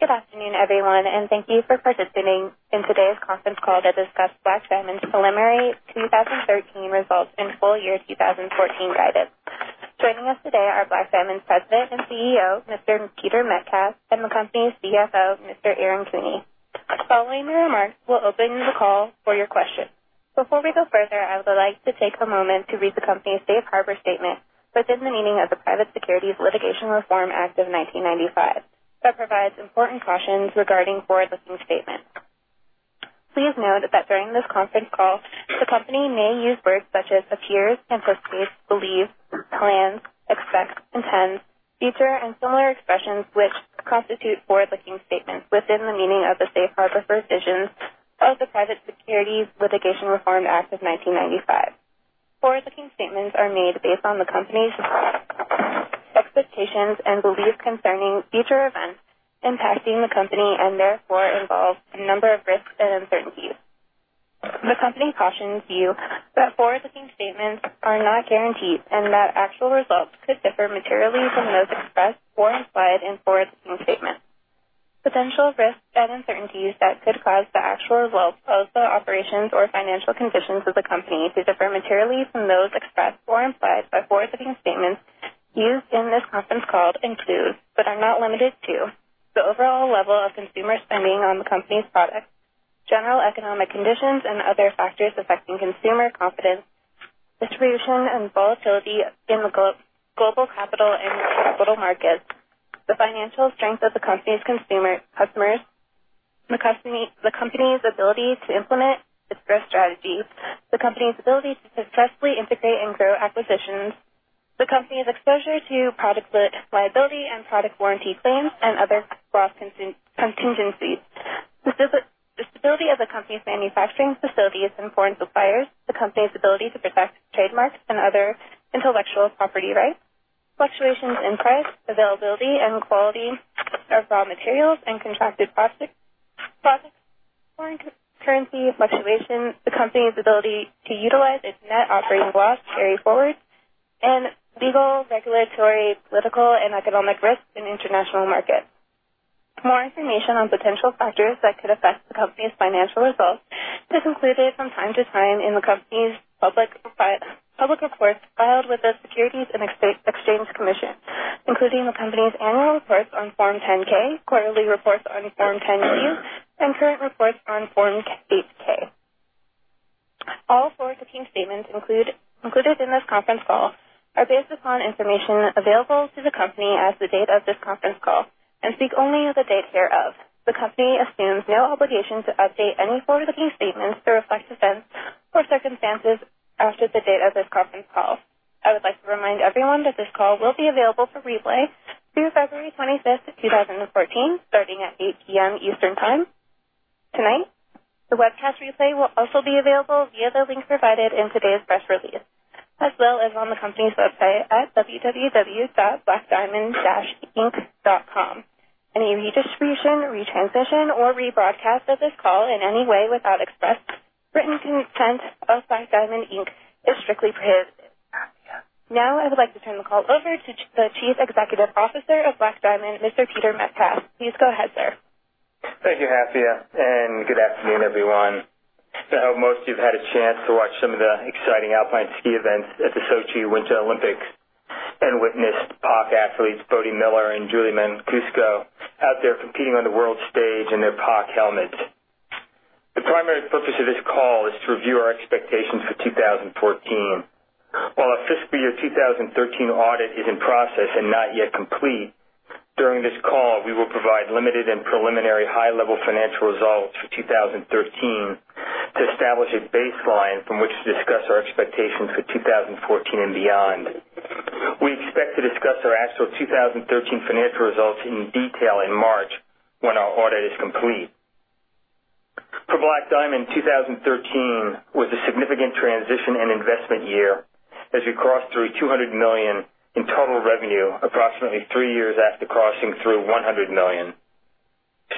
Good afternoon, everyone, thank you for participating in today's conference call to discuss Black Diamond's preliminary 2013 results and full year 2014 guidance. Joining us today are Black Diamond's President and CEO, Mr. Peter Metcalf, and the company's CFO, Mr. Aaron Kuehne. Following the remarks, we'll open the call for your questions. Before we go further, I would like to take a moment to read the company's safe harbor statement within the meaning of the Private Securities Litigation Reform Act of 1995, that provides important cautions regarding forward-looking statements. Please note that during this conference call, the company may use words such as appears, anticipates, believes, plans, expects, intends, future, and similar expressions which constitute forward-looking statements within the meaning of the safe harbor provisions of the Private Securities Litigation Reform Act of 1995. Forward-looking statements are made based on the company's expectations and beliefs concerning future events impacting the company and therefore involve a number of risks and uncertainties. The company cautions you that forward-looking statements are not guarantees and that actual results could differ materially from those expressed or implied in forward-looking statements. Potential risks and uncertainties that could cause the actual results of the operations or financial conditions of the company to differ materially from those expressed or implied by forward-looking statements used in this conference call include, but are not limited to, the overall level of consumer spending on the company's products, general economic conditions, and other factors affecting consumer confidence, distribution and volatility in the global capital and capital markets, the financial strength of the company's customers, the company's ability to implement its growth strategy, the company's ability to successfully integrate and grow acquisitions, the company's exposure to product liability and product warranty claims, and other loss contingencies. The stability of the company's manufacturing facilities and foreign suppliers, the company's ability to protect trademarks and other intellectual property rights, fluctuations in price, availability, and quality of raw materials and contracted products, foreign currency fluctuations, the company's ability to utilize its net operating loss carryforward, and legal, regulatory, political, and economic risks in international markets. More information on potential factors that could affect the company's financial results is included from time to time in the company's public reports filed with the Securities and Exchange Commission, including the company's annual reports on Form 10-K, quarterly reports on Form 10-Q, and current reports on Form 8-K. All forward-looking statements included in this conference call are based upon information available to the company as of the date of this conference call and speak only as of the date thereof. The company assumes no obligation to update any forward-looking statements to reflect events or circumstances after the date of this conference call. I would like to remind everyone that this call will be available for replay through February 25th of 2014, starting at 8:00 P.M. Eastern Time tonight. The webcast replay will also be available via the link provided in today's press release, as well as on the company's website at www.blackdiamond-inc.com. Any redistribution, retransmission, or rebroadcast of this call in any way without express written consent of Black Diamond, Inc. is strictly prohibited. I would like to turn the call over to the Chief Executive Officer of Black Diamond, Mr. Peter Metcalf. Please go ahead, sir. Thank you, Hafia, and good afternoon, everyone. I hope most of you have had a chance to watch some of the exciting alpine ski events at the Sochi Winter Olympics and witnessed POC athletes Bode Miller and Julia Mancuso out there competing on the world stage in their POC helmets. The primary purpose of this call is to review our expectations for 2014. While our fiscal year 2013 audit is in process and not yet complete, during this call, we will provide limited and preliminary high-level financial results for 2013 to establish a baseline from which to discuss our expectations for 2014 and beyond. We expect to discuss our actual 2013 financial results in detail in March when our audit is complete. For Black Diamond, 2013 was a significant transition and investment year as we crossed through $200 million in total revenue approximately three years after crossing through $100 million.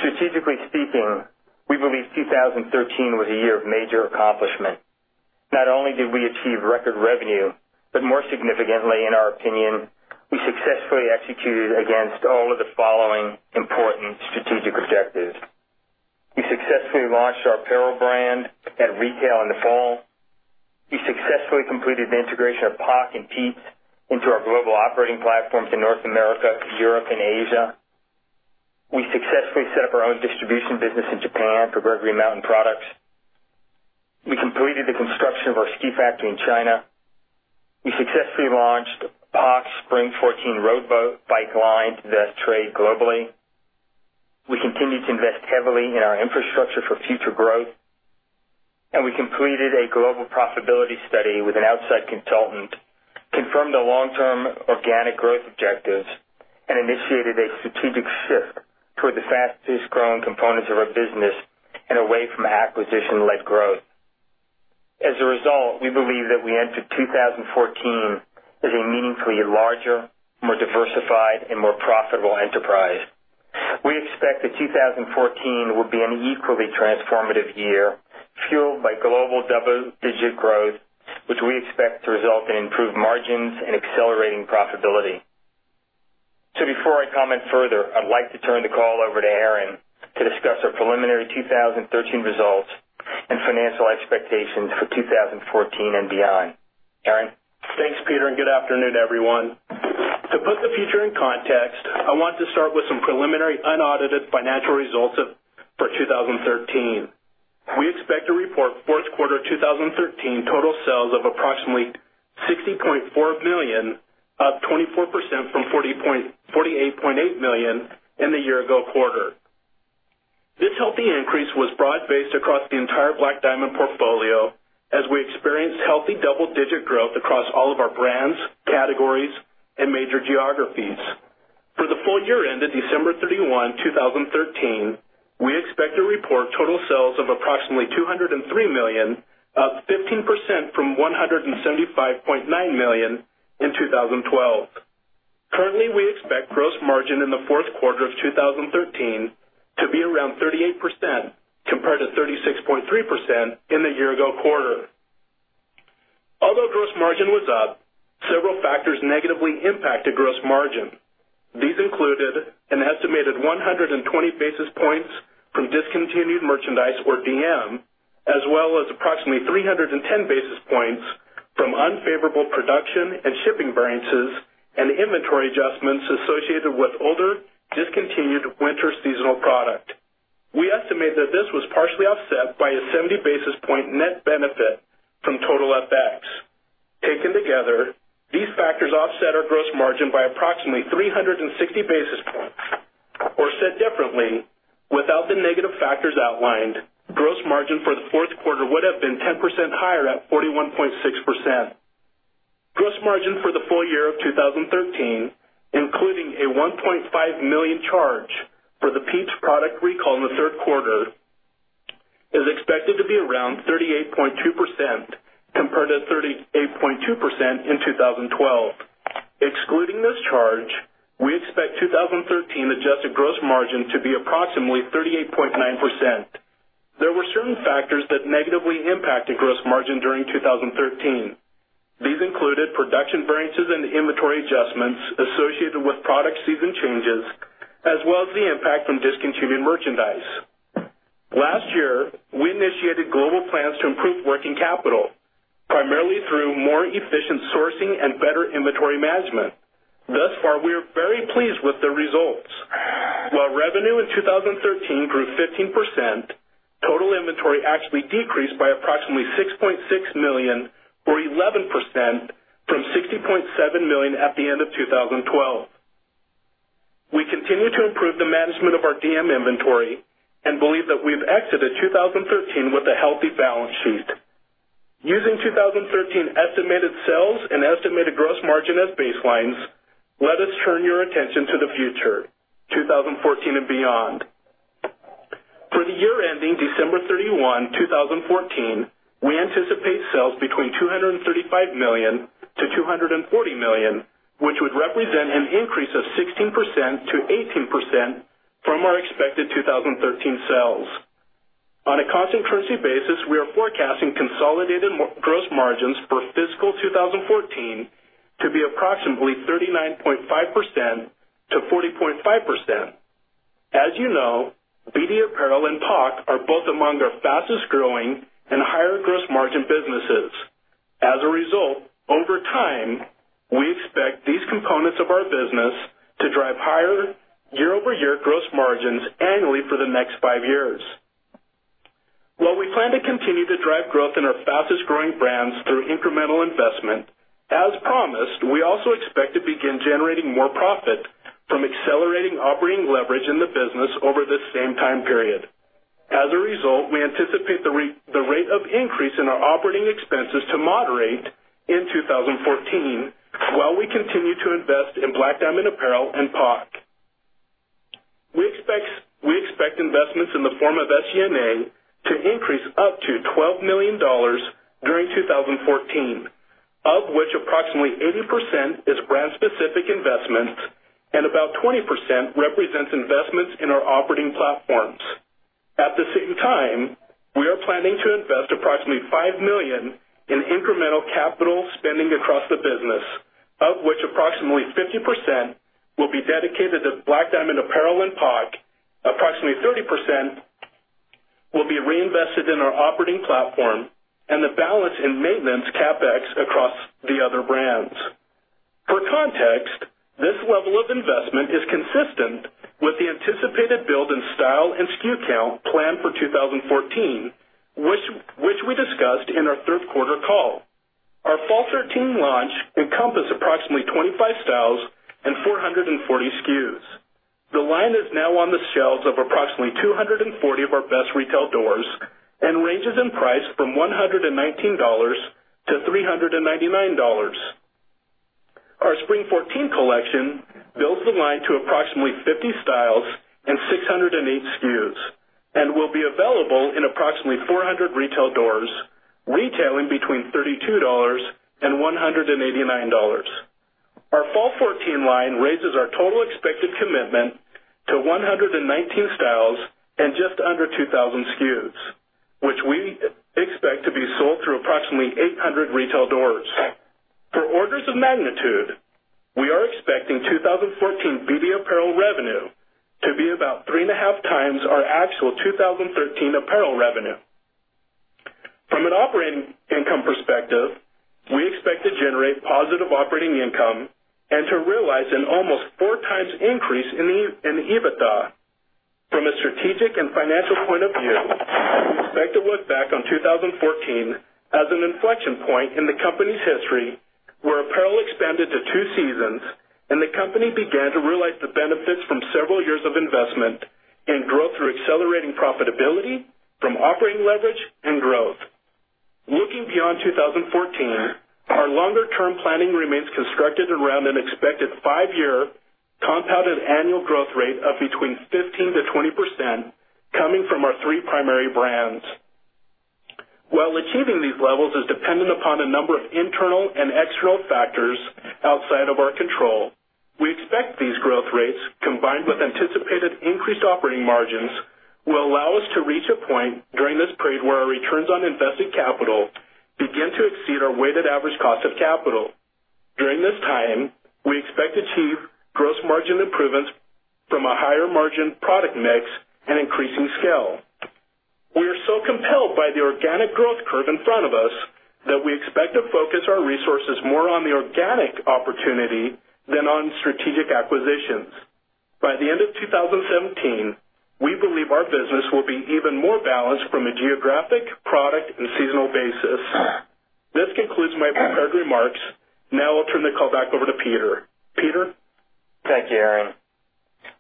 Strategically speaking, we believe 2013 was a year of major accomplishment. Not only did we achieve record revenue, but more significantly in our opinion, we successfully executed against all of the following important strategic objectives. We successfully launched our apparel brand at retail in the fall. We successfully completed the integration of POC and Pieps into our global operating platforms in North America, Europe, and Asia. We successfully set up our own distribution business in Japan for Gregory Mountain Products. We completed the construction of our ski factory in China. We successfully launched POC's Spring 14 Road collection to best trade globally. We continued to invest heavily in our infrastructure for future growth. We completed a global profitability study with an outside consultant, confirmed the long-term organic growth objectives, and initiated a strategic shift toward the fastest-growing components of our business and away from acquisition-led growth. As a result, we believe that we enter 2014 as a meaningfully larger, more diversified, and more profitable enterprise. We expect that 2014 will be an equally transformative year, fueled by global double-digit growth, which we expect to result in improved margins and accelerating profitability. Before I comment further, I'd like to turn the call over to Aaron to discuss our preliminary 2013 results and financial expectations for 2014 and beyond. Aaron? Thanks, Peter, and good afternoon, everyone. To put the future in context, I want to start with some preliminary unaudited financial results for 2013. We expect to report fourth quarter 2013 total sales of approximately $60.4 million, up 24% from $48.8 million in the year-ago quarter. This healthy increase was broad-based across the entire Black Diamond portfolio as we experienced healthy double-digit growth across all of our brands, categories, and major geographies. For the full year ended December 31, 2013, we expect to report total sales of approximately $203 million, up 15% from $175.9 million in 2012. Currently, we expect gross margin in the fourth quarter of 2013 to be around 38%, compared to 36.3% in the year-ago quarter. Although gross margin was up, several factors negatively impacted gross margin. These included an estimated 120 basis points from discontinued merchandise, or DM, as well as approximately 310 basis points from unfavorable production and shipping variances and inventory adjustments associated with older discontinued winter seasonal product. We estimate that this was partially offset by a 70 basis point net benefit from total FX. Taken together, these factors offset our gross margin by approximately 360 basis points, or said differently, without the negative factors outlined, gross margin for the fourth quarter would have been 10% higher at 41.6%. Gross margin for the full year of 2013, including a $1.5 million charge for the Pieps product recall in the third quarter, is expected to be around 38.2%, compared to 38.2% in 2012. Excluding this charge, we expect 2013 adjusted gross margin to be approximately 38.9%. There were certain factors that negatively impacted gross margin during 2013. These included production variances and inventory adjustments associated with product season changes, as well as the impact from discontinued merchandise. Last year, we initiated global plans to improve working capital, primarily through more efficient sourcing and better inventory management. Thus far, we are very pleased with the results. While revenue in 2013 grew 15%, total inventory actually decreased by approximately $6.6 million or 11% from $60.7 million at the end of 2012. We continue to improve the management of our DM inventory and believe that we've exited 2013 with a healthy balance sheet. Using 2013 estimated sales and estimated gross margin as baselines, let us turn your attention to the future, 2014 and beyond. For the year ending December 31, 2014, we anticipate sales between $235 million-$240 million, which would represent an increase of 16%-18% from our expected 2013 sales. On a constant currency basis, we are forecasting consolidated gross margins for fiscal 2014 to be approximately 39.5%-40.5%. As you know, BD Apparel and POC are both among our fastest growing and higher gross margin businesses. As a result, over time, we expect these components of our business to drive higher year-over-year gross margins annually for the next five years. While we plan to continue to drive growth in our fastest-growing brands through incremental investment, as promised, we also expect to begin generating more profit from accelerating operating leverage in the business over this same time period. As a result, we anticipate the rate of increase in our operating expenses to moderate in 2014 while we continue to invest in Black Diamond Apparel and POC. We expect investments in the form of SG&A to increase up to $12 million during 2014, of which approximately 80% is brand specific investments and about 20% represents investments in our operating platforms. At the same time, we are planning to invest approximately $5 million in incremental capital spending across the business, of which approximately 50% will be dedicated to Black Diamond Apparel and POC, approximately 30% will be reinvested in our operating platform, and the balance in maintenance CapEx across the other brands. For context, this level of investment is consistent with the anticipated build in style and SKU count planned for 2014, which we discussed in our third quarter call. Our fall 2013 launch encompassed approximately 25 styles and 440 SKUs. The line is now on the shelves of approximately 240 of our best retail doors and ranges in price from $119-$399. Our spring 2014 collection builds the line to approximately 50 styles and 608 SKUs and will be available in approximately 400 retail doors, retailing between $32-$189. Our Fall 2014 line raises our total expected commitment to 119 styles and just under 2,000 SKUs, which we expect to be sold through approximately 800 retail doors. For orders of magnitude, we are expecting 2014 BD apparel revenue to be about three and a half times our actual 2013 apparel revenue. From an operating income perspective, we expect to generate positive operating income and to realize an almost four times increase in EBITDA. From a strategic and financial point of view, we expect to look back on 2014 as an inflection point in the company's history, where apparel expanded to two seasons, and the company began to realize the benefits from several years of investment and growth through accelerating profitability from operating leverage and growth. Looking beyond 2014, our longer-term planning remains constructed around an expected five-year compounded annual growth rate of between 15%-20% coming from our three primary brands. While achieving these levels is dependent upon a number of internal and external factors outside of our control, we expect these growth rates, combined with anticipated increased operating margins, will allow us to reach a point during this period where our returns on invested capital begin to exceed our weighted average cost of capital. During this time, we expect to achieve gross margin improvements from a higher margin product mix and increasing scale. We are so compelled by the organic growth curve in front of us that we expect to focus our resources more on the organic opportunity than on strategic acquisitions. By the end of 2017, we believe our business will be even more balanced from a geographic, product, and seasonal basis. This concludes my prepared remarks. Now I'll turn the call back over to Peter. Peter? Thank you, Aaron.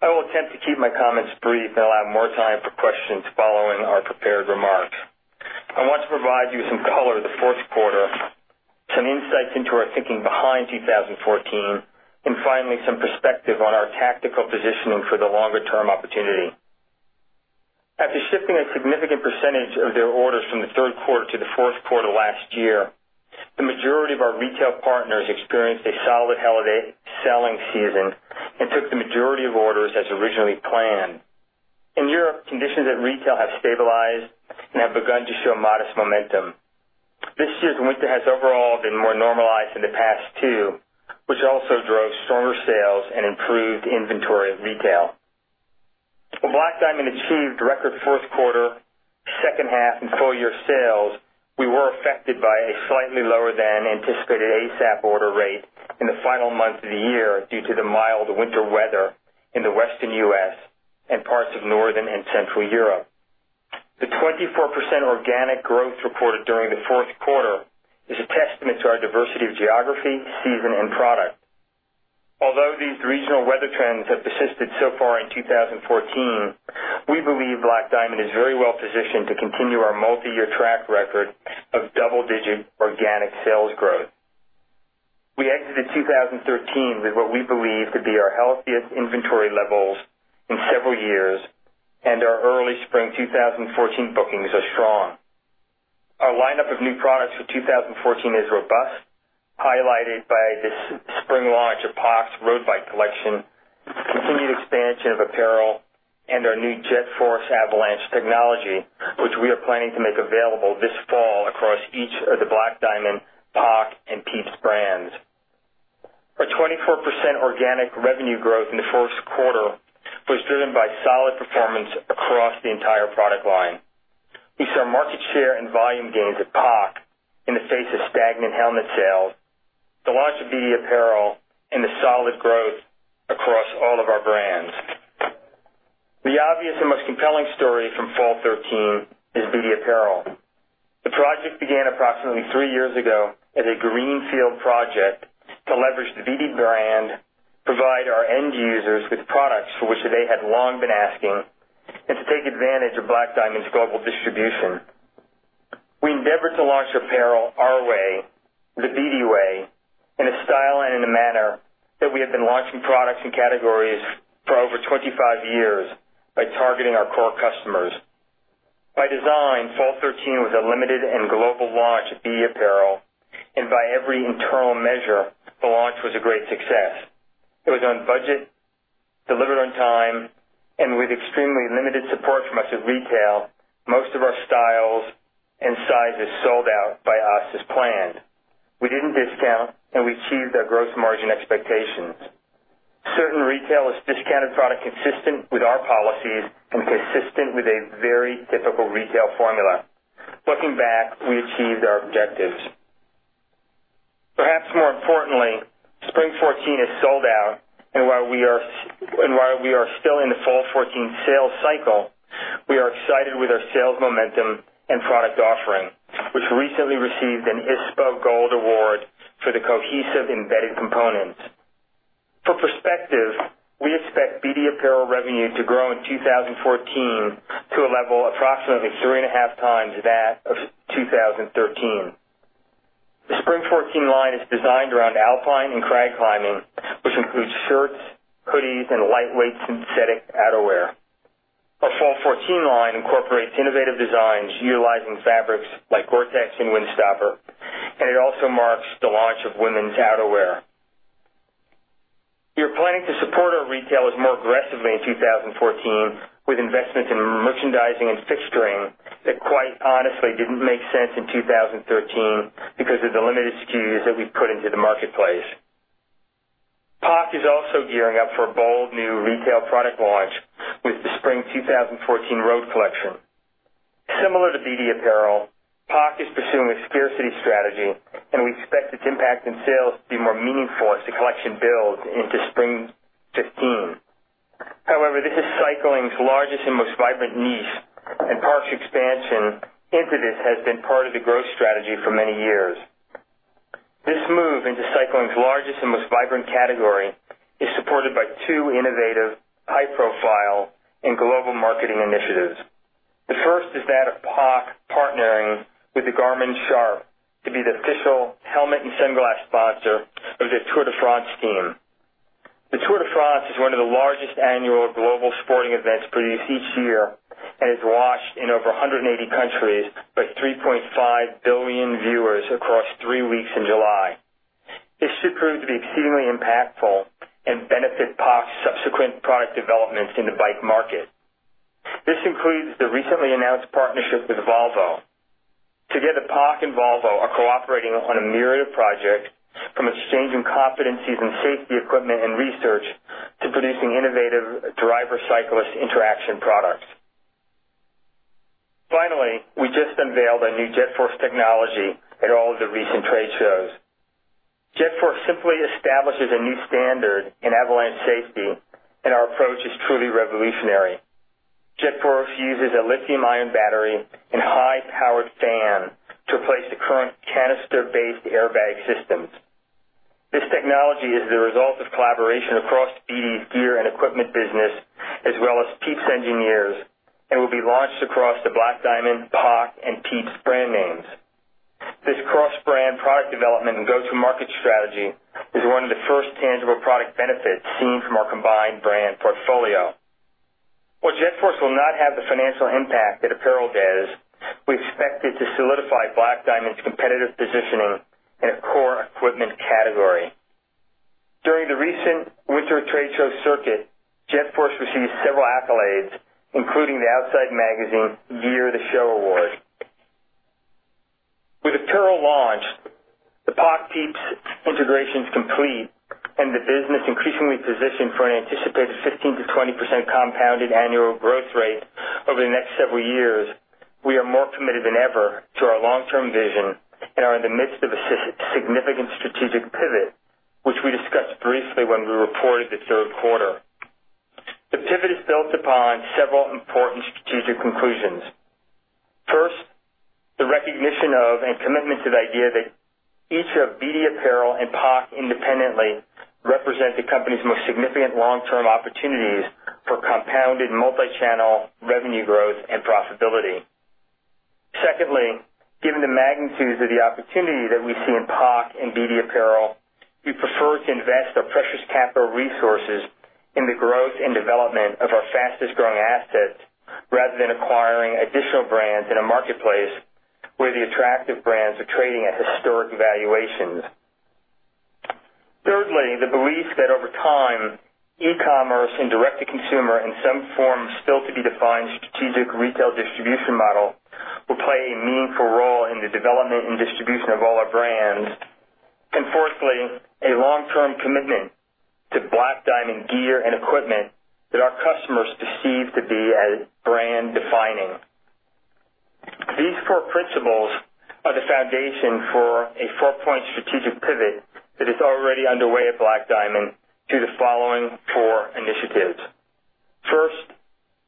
I will attempt to keep my comments brief and allow more time for questions following our prepared remarks. I want to provide you some color of the fourth quarter, some insights into our thinking behind 2014, and finally, some perspective on our tactical positioning for the longer-term opportunity. After shifting a significant percentage of their orders from the third quarter to the fourth quarter last year, the majority of our retail partners experienced a solid holiday selling season and took the majority of orders as originally planned. In Europe, conditions at retail have stabilized and have begun to show modest momentum. This year's winter has overall been more normalized than the past two, which also drove stronger sales and improved inventory at retail. While Black Diamond achieved record fourth quarter, second half, and full-year sales, we were affected by a slightly lower than anticipated ASAP order rate in the final month of the year due to the mild winter weather in the Western U.S. and parts of Northern and Central Europe. The 24% organic growth reported during the fourth quarter is a testament to our diversity of geography, season, and product. These regional weather trends have persisted so far in 2014, we believe Black Diamond is very well positioned to continue our multi-year track record of double-digit organic sales growth. We exited 2013 with what we believe to be our healthiest inventory levels in several years, and our early Spring 2014 bookings are strong. Our lineup of new products for 2014 is robust, highlighted by the spring launch of POC's Road collection, continued expansion of apparel, and our new JetForce Avalanche technology, which we are planning to make available this fall across each of the Black Diamond, POC, and Pieps brands. Our 24% organic revenue growth in the fourth quarter was driven by solid performance across the entire product line. We saw market share and volume gains at POC in the face of stagnant helmet sales, the launch of BD apparel, and the solid growth across all of our brands. The obvious and most compelling story from Fall 2013 is BD apparel. The project began approximately three years ago as a greenfield project to leverage the BD brand, provide our end users with products for which they had long been asking, and to take advantage of Black Diamond's global distribution. We endeavored to launch apparel our way, the BD way, in a style and in a manner that we have been launching products and categories for over 25 years by targeting our core customers. By design, Fall 2013 was a limited and global launch of BD apparel, and by every internal measure, the launch was a great success. It was on budget, delivered on time, and with extremely limited support from much of retail, most of our styles and sizes sold out by us as planned. We didn't discount, and we achieved our gross margin expectations. Certain retailers discounted product consistent with our policies and consistent with a very difficult retail formula. Looking back, we achieved our objectives. Perhaps more importantly, Spring 2014 is sold out, and while we are still in the Fall 2014 sales cycle, we are excited with our sales momentum and product offering, which recently received an ISPO Gold Award for the cohesive embedded components. For perspective, we expect BD Apparel revenue to grow in 2014 to a level approximately three and a half times that of 2013. The Spring 2014 line is designed around alpine and crag climbing, which includes shirts, hoodies, and lightweight synthetic outerwear. Fall 2014 line incorporates innovative designs utilizing fabrics like GORE-TEX and Windstopper, and it also marks the launch of women's outerwear. We are planning to support our retailers more aggressively in 2014 with investments in merchandising and fixturing that quite honestly didn't make sense in 2013 because of the limited SKUs that we put into the marketplace. POC is also gearing up for a bold new retail product launch with the Spring 2014 Road collection. Similar to BD Apparel, POC is pursuing a scarcity strategy, and we expect its impact in sales to be more meaningful as the collection builds into Spring 2015. This is cycling's largest and most vibrant niche, and POC's expansion into this has been part of the growth strategy for many years. This move into cycling's largest and most vibrant category is supported by two innovative, high profile, and global marketing initiatives. The first is that of POC partnering with the Garmin-Sharp to be the official helmet and sunglass sponsor of the Tour de France team. The Tour de France is one of the largest annual global sporting events produced each year and is watched in over 180 countries by 3.5 billion viewers across three weeks in July. This should prove to be extremely impactful and benefit POC's subsequent product developments in the bike market. This includes the recently announced partnership with Volvo. Together, POC and Volvo are cooperating on a myriad of projects from exchanging competencies in safety equipment and research to producing innovative driver-cyclist interaction products. We just unveiled a new JetForce technology at all of the recent trade shows. JetForce simply establishes a new standard in avalanche safety, and our approach is truly revolutionary. JetForce uses a lithium-ion battery and high-powered fan to replace the current canister-based airbag systems. This technology is the result of collaboration across BD's gear and equipment business, as well as Pieps's engineers, and will be launched across the Black Diamond, POC, and Pieps's brand names. This cross-brand product development and go-to-market strategy is one of the first tangible product benefits seen from our combined brand portfolio. While JetForce will not have the financial impact that Apparel does, we expect it to solidify Black Diamond's competitive positioning in a core equipment category. During the recent winter trade show circuit, JetForce received several accolades, including the Outside Magazine Gear of the Year Award. With Apparel launched, the POC/Pieps integration is complete, and the business increasingly positioned for an anticipated 15%-20% compounded annual growth rate over the next several years. We are more committed than ever to our long-term vision and are in the midst of a significant strategic pivot, which we discussed briefly when we reported the third quarter. The pivot is built upon several important strategic conclusions. First, the recognition of and commitment to the idea that each of BD Apparel and POC independently represent the company's most significant long-term opportunities for compounded multi-channel revenue growth and profitability. Secondly, given the magnitudes of the opportunity that we see in POC and BD Apparel, we prefer to invest our precious capital resources in the growth and development of our fastest-growing assets rather than acquiring additional brands in a marketplace where the attractive brands are trading at historic valuations. Thirdly, the belief that over time, e-commerce and direct-to-consumer in some form still to be defined strategic retail distribution model will play a meaningful role in the development and distribution of all our brands. Fourthly, a long-term commitment to Black Diamond gear and equipment that our customers perceive to be as brand defining. These four principles are the foundation for a four-point strategic pivot that is already underway at Black Diamond through the following four initiatives. First,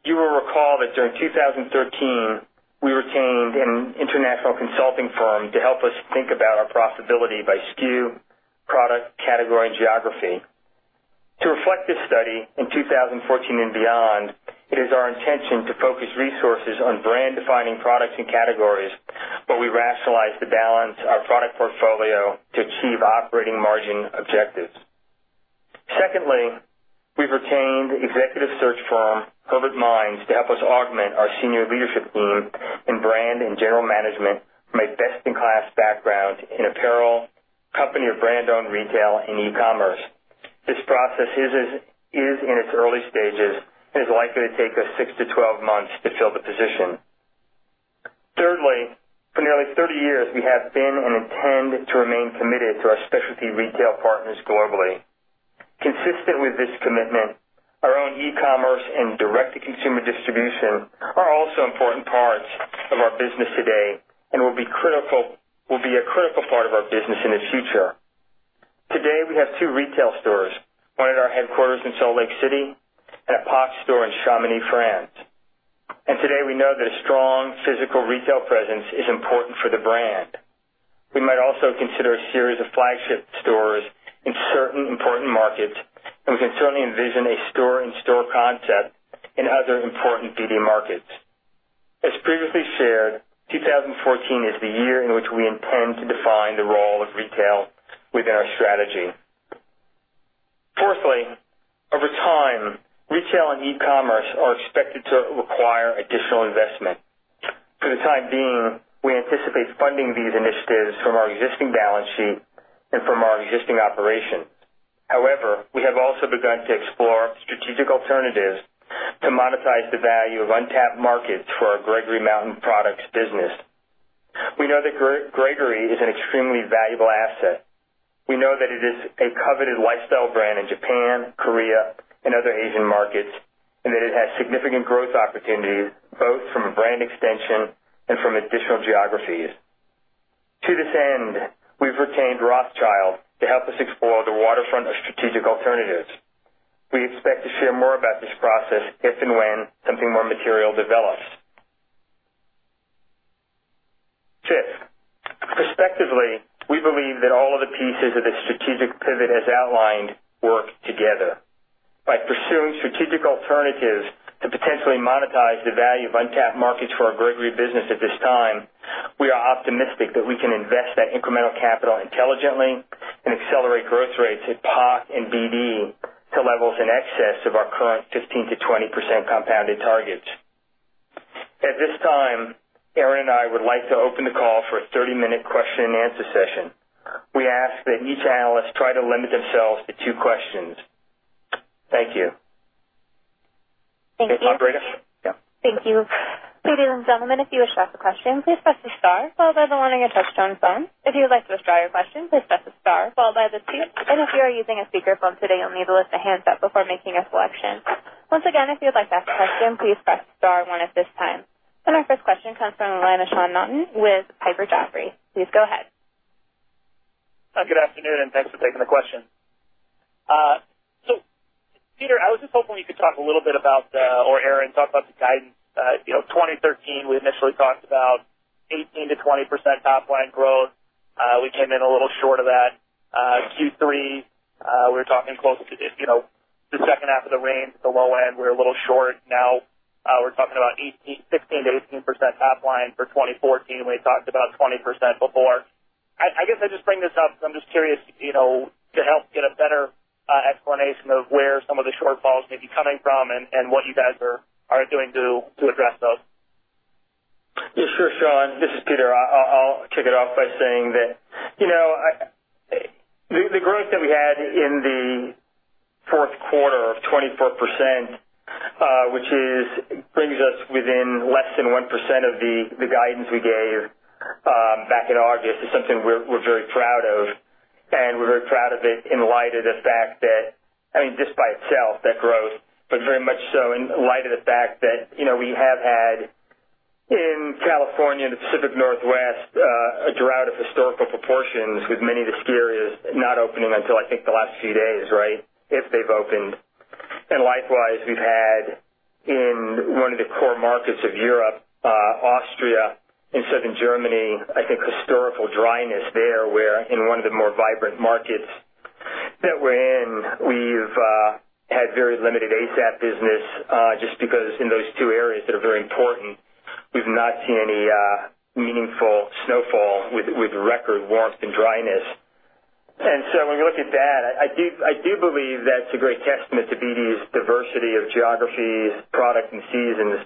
you will recall that during 2013, we retained an international consulting firm to help us think about our profitability by SKU, product, category, and geography. To reflect this study in 2014 and beyond, it is our intention to focus resources on brand-defining products and categories where we rationalize to balance our product portfolio to achieve operating margin objectives. Secondly, we've retained executive search firm Public Minds to help us augment our senior leadership team in brand and general management from a best-in-class background in apparel, company or brand-owned retail, and e-commerce. This process is in its early stages and is likely to take us six to 12 months to fill the position. Thirdly, for nearly 30 years, we have been and intend to remain committed to our specialty retail partners globally. Consistent with this commitment, our own e-commerce and direct-to-consumer distribution are also important parts of our business today and will be a critical part of our business in the future. Today, we have two retail stores, one at our headquarters in Salt Lake City and a POC store in Chamonix, France. Today, we know that a strong physical retail presence is important for the brand. We might also consider a series of flagship stores in certain important markets, and we can certainly envision a store-in-store concept in other important BD markets. As previously shared, 2014 is the year in which we intend to define the role of retail within our strategy. Firstly, over time, retail and e-commerce are expected to require additional investment. For the time being, we anticipate funding these initiatives from our existing balance sheet and from our existing operations. However, we have also begun to explore strategic alternatives to monetize the value of untapped markets for our Gregory Mountain Products business. We know that Gregory is an extremely valuable asset. We know that it is a coveted lifestyle brand in Japan, Korea, and other Asian markets, and that it has significant growth opportunities, both from brand extension and from additional geographies. To this end, we've retained Rothschild to help us explore the waterfront of strategic alternatives. We expect to share more about this process if and when something more material develops. Fifth, prospectively, we believe that all of the pieces of the strategic pivot as outlined work together. By pursuing strategic alternatives to potentially monetize the value of untapped markets for our Gregory business at this time, we are optimistic that we can invest that incremental capital intelligently and accelerate growth rates at POC and BD to levels in excess of our current 15%-20% compounded targets. At this time, Aaron and I would like to open the call for a 30-minute question and answer session. We ask that each analyst try to limit themselves to two questions. Thank you. Thank you. Operator? Yeah. Thank you. Ladies and gentlemen, if you wish to ask a question, please press star followed by the one on your touchtone phone. If you would like to withdraw your question, please press star followed by the two. If you are using a speakerphone today, you'll need to lift the handset before making a selection. Once again, if you would like to ask a question, please press star one at this time. Our first question comes from the line of Sean Naughton with Piper Jaffray. Please go ahead. Good afternoon, and thanks for taking the question. Peter, I was just hoping we could talk a little bit about, or Aaron, talk about the guidance. 2013, we initially talked about 18%-20% top line growth. We came in a little short of that. Q3, we were talking close to the second half of the range at the low end. We're a little short now. We're talking about 16%-18% top line for 2014. We had talked about 20% before. I guess I just bring this up because I'm just curious to help get a better explanation of where some of the shortfalls may be coming from and what you guys are doing to address those. Yes, sure, Sean. This is Peter. I'll kick it off by saying that the growth that we had in the fourth quarter of 24%, which brings us within less than 1% of the guidance we gave back in August, is something we're very proud of, and we're very proud of it in light of the fact that just by itself, that growth, but very much so in light of the fact that we have had, in California and the Pacific Northwest, a drought of historical proportions, with many of the ski areas not opening until, I think, the last few days, right? If they've opened. Likewise, we've had in one of the core markets of Europe, Austria, and Southern Germany, I think historical dryness there, where in one of the more vibrant markets that we're in, we've had very limited ASAP business, just because in those two areas that are very important, we've not seen any meaningful snowfall with record warmth and dryness. When you look at that, I do believe that's a great testament to BD's diversity of geographies, product, and seasons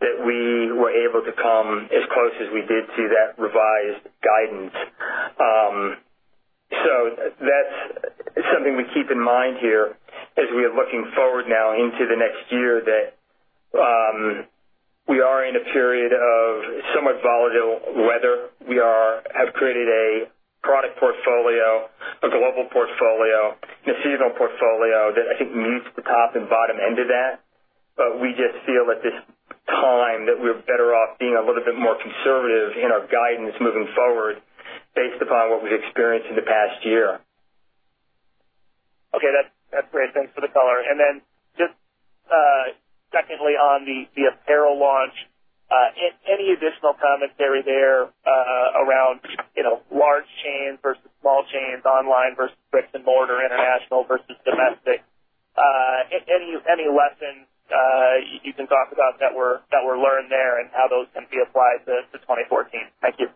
that we were able to come as close as we did to that revised guidance. That's something we keep in mind here as we are looking forward now into the next year, that we are in a period of somewhat volatile weather. We have created a product portfolio, a global portfolio, and a seasonal portfolio that I think meets the top and bottom end of that. We just feel at this time that we're better off being a little bit more conservative in our guidance moving forward based upon what we've experienced in the past year. That's great. Thanks for the color. Just secondly, on the apparel launch, any additional commentary there around large chains versus small chains, online versus bricks and mortar, international versus domestic? Any lessons you can talk about that were learned there and how those can be applied to 2014? Thank you.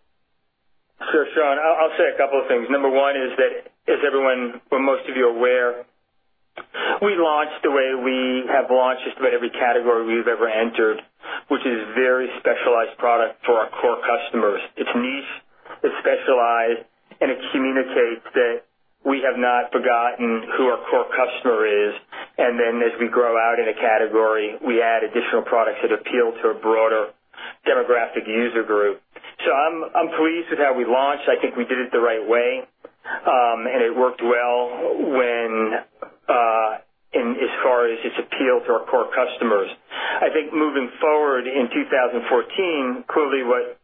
Sure, Sean. I'll say a couple of things. Number one is that as most of you are aware, we launched the way we have launched just about every category we've ever entered, which is a very specialized product for our core customers. It's niche, it's specialized, and it communicates that we have not forgotten who our core customer is. As we grow out in a category, we add additional products that appeal to a broader demographic user group. I'm pleased with how we launched. I think we did it the right way, and it worked well as far as its appeal to our core customers. I think moving forward in 2014, clearly what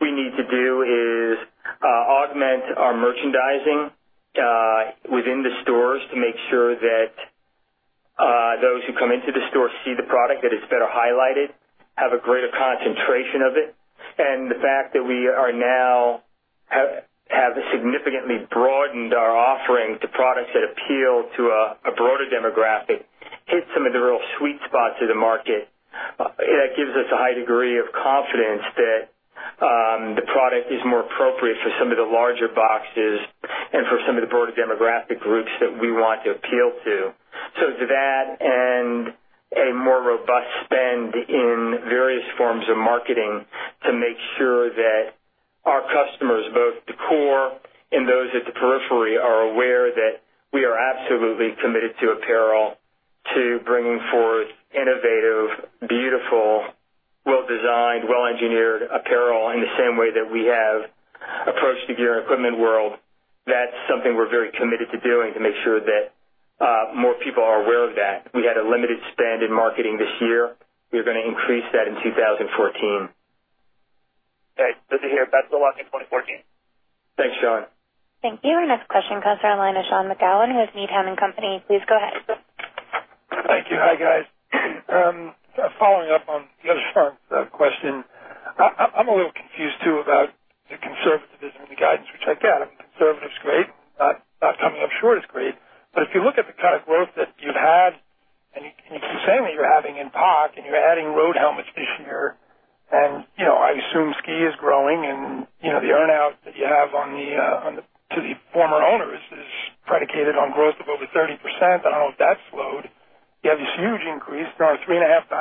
we need to do is augment our merchandising within the stores to make sure that those who come into the store see the product, that it's better highlighted, have a greater concentration of it. The fact that we now have significantly broadened our offering to products that appeal to a broader demographic. Some of the real sweet spots of the market. That gives us a high degree of confidence that the product is more appropriate for some of the larger boxes and for some of the broader demographic groups that we want to appeal to. To that and a more robust spend in various forms of marketing to make sure that our customers, both the core and those at the periphery, are aware that we are absolutely committed to apparel, to bringing forth innovative, beautiful, well-designed, well-engineered apparel in the same way that we have approached the gear and equipment world. That's something we're very committed to doing to make sure that more people are aware of that. We had a limited spend in marketing this year. We are going to increase that in 2014. Okay. Good to hear. Best of luck in 2014. Thanks, Sean. Thank you. Our next question comes from the line of Sean McGowan with Needham & Company. Please go ahead. Thank you. Hi, guys. Following up on the other Sean's question, I'm a little confused too about the conservatism and the guidance, which I get. Conservatism is great. Not coming up short is great. If you look at the kind of growth that you've had, and you keep saying that you're having in POC, and you're adding road helmets this year, and I assume ski is growing and the earn-out that you have to the former owners is predicated on growth of over 30%, I don't know if that slowed. You have this huge increase, around 3.5x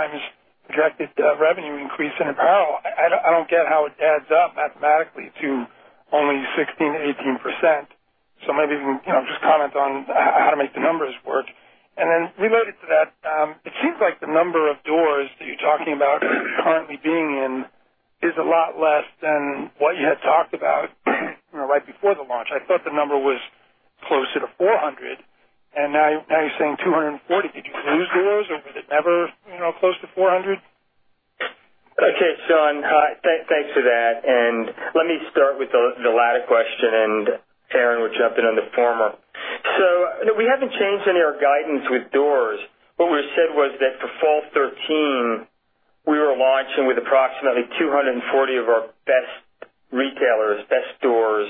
projected revenue increase in apparel. I don't get how it adds up mathematically to only 16%-18%. Maybe you can just comment on how to make the numbers work. Related to that, it seems like the number of doors that you're talking about currently being in is a lot less than what you had talked about right before the launch. I thought the number was closer to 400, and now you're saying 240. Did you lose doors, or was it never close to 400? Okay, Sean. Hi. Thanks for that. Let me start with the latter question, and Aaron will jump in on the former. No, we haven't changed any of our guidance with doors. What we said was that for fall 2013, we were launching with approximately 240 of our best retailers, best doors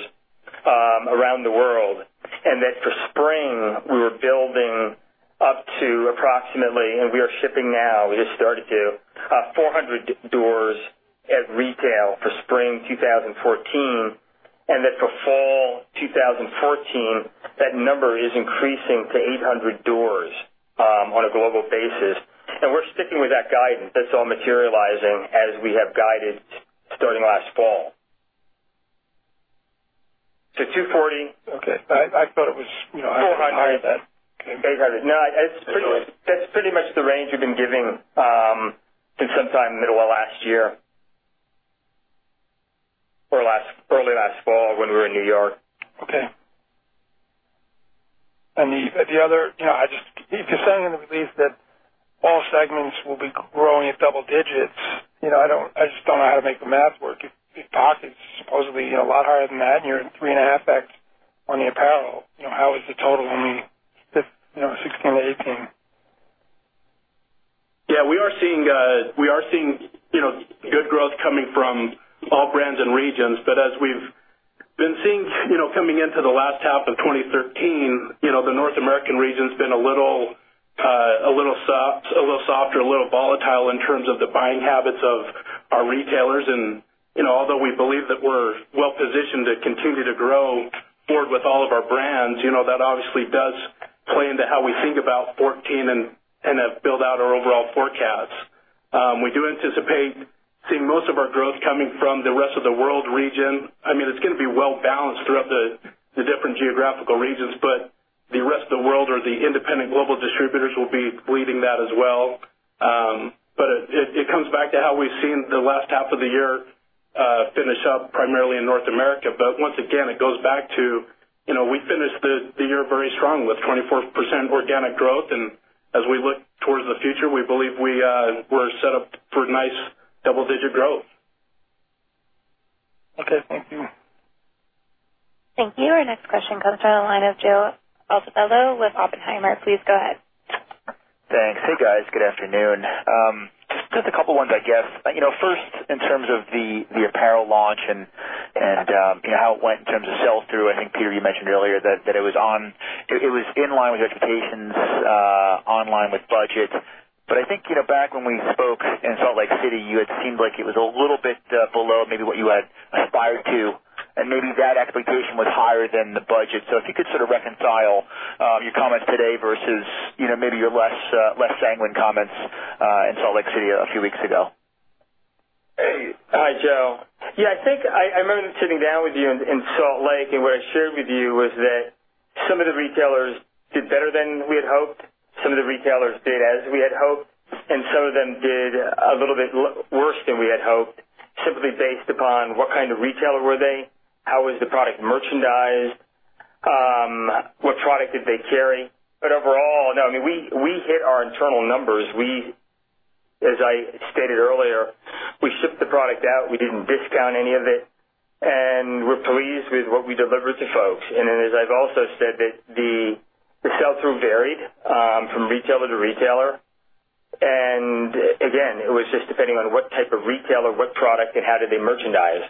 around the world, and that for spring, we were building up to approximately, and we are shipping now, we just started to, 400 doors at retail for spring 2014, and that for fall 2014, that number is increasing to 800 doors on a global basis. We're sticking with that guidance. That's all materializing as we have guided starting last fall. 240. Okay. 400. Higher than 800. That's pretty much the range we've been giving since sometime in the middle of last year or early last fall when we were in New York. Okay. The other, if you're saying in the release that all segments will be growing at double digits, I just don't know how to make the math work. If POC is supposedly a lot higher than that, and you're at 3.5x on the apparel, how is the total only 16%-18%? We are seeing good growth coming from all brands and regions, as we've been seeing coming into the last half of 2013, the North American region's been a little softer, a little volatile in terms of the buying habits of our retailers, although we believe that we're well-positioned to continue to grow forward with all of our brands, that obviously does play into how we think about 2014 and have built out our overall forecasts. We do anticipate seeing most of our growth coming from the rest of the world region. It's going to be well-balanced throughout the different geographical regions, the rest of the world or the independent global distributors will be leading that as well. It comes back to how we've seen the last half of the year finish up primarily in North America. Once again, it goes back to we finished the year very strongly with 24% organic growth, as we look towards the future, we believe we're set up for nice double-digit growth. Okay. Thank you. Thank you. Our next question comes from the line of Joe Altobello with Oppenheimer. Please go ahead. Thanks. Hey, guys. Good afternoon. Just a couple ones I guess. First, in terms of the apparel launch and how it went in terms of sell-through, I think, Peter, you mentioned earlier that it was in line with expectations, in line with budgets. I think back when we spoke in Salt Lake City, you had seemed like it was a little bit below maybe what you had aspired to, and maybe that expectation was higher than the budget. If you could sort of reconcile your comments today versus maybe your less sanguine comments in Salt Lake City a few weeks ago. Hey. Hi, Joe. Yeah, I think I remember sitting down with you in Salt Lake, what I shared with you was that some of the retailers did better than we had hoped, some of the retailers did as we had hoped, and some of them did a little bit worse than we had hoped, simply based upon what kind of retailer were they, how was the product merchandised, what product did they carry. Overall, no, we hit our internal numbers. As I stated earlier, we shipped the product out. We didn't discount any of it, and we're pleased with what we delivered to folks. As I've also said that the sell-through varied from retailer to retailer. Again, it was just depending on what type of retailer, what product, and how did they merchandise.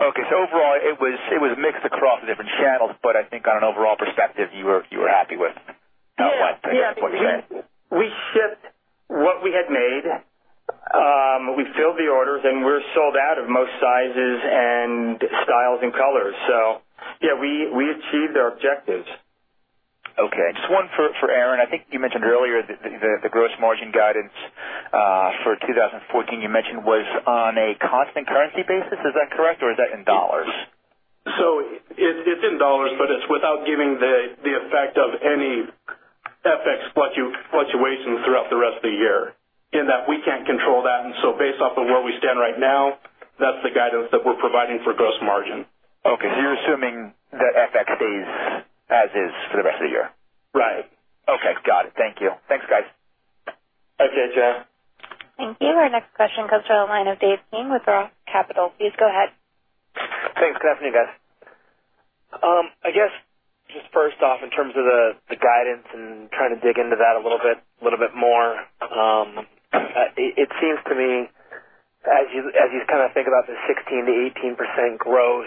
Okay. Overall, it was mixed across the different channels, but I think on an overall perspective, you were happy with what happened. Yeah. We shipped what we had made. We filled the orders, and we're sold out of most sizes and styles and colors. Yeah, we achieved our objectives. Okay. Just one for Aaron. I think you mentioned earlier that the gross margin guidance for 2014, you mentioned, was on a constant currency basis. Is that correct, or is that in dollars? It's in dollars, but it's without giving the effect of any FX fluctuations throughout the rest of the year, in that we can't control that. Based off of where we stand right now, that's the guidance that we're providing for gross margin. Okay. You're assuming that FX stays as is for the rest of the year? Right. Okay. Got it. Thank you. Thanks, guys. Okay, Joe. Thank you. Our next question comes from the line of Dave King with Roth Capital. Please go ahead. Thanks. Good afternoon, guys. I guess, just first off, in terms of the guidance and trying to dig into that a little bit more, it seems to me as you think about the 16%-18% growth,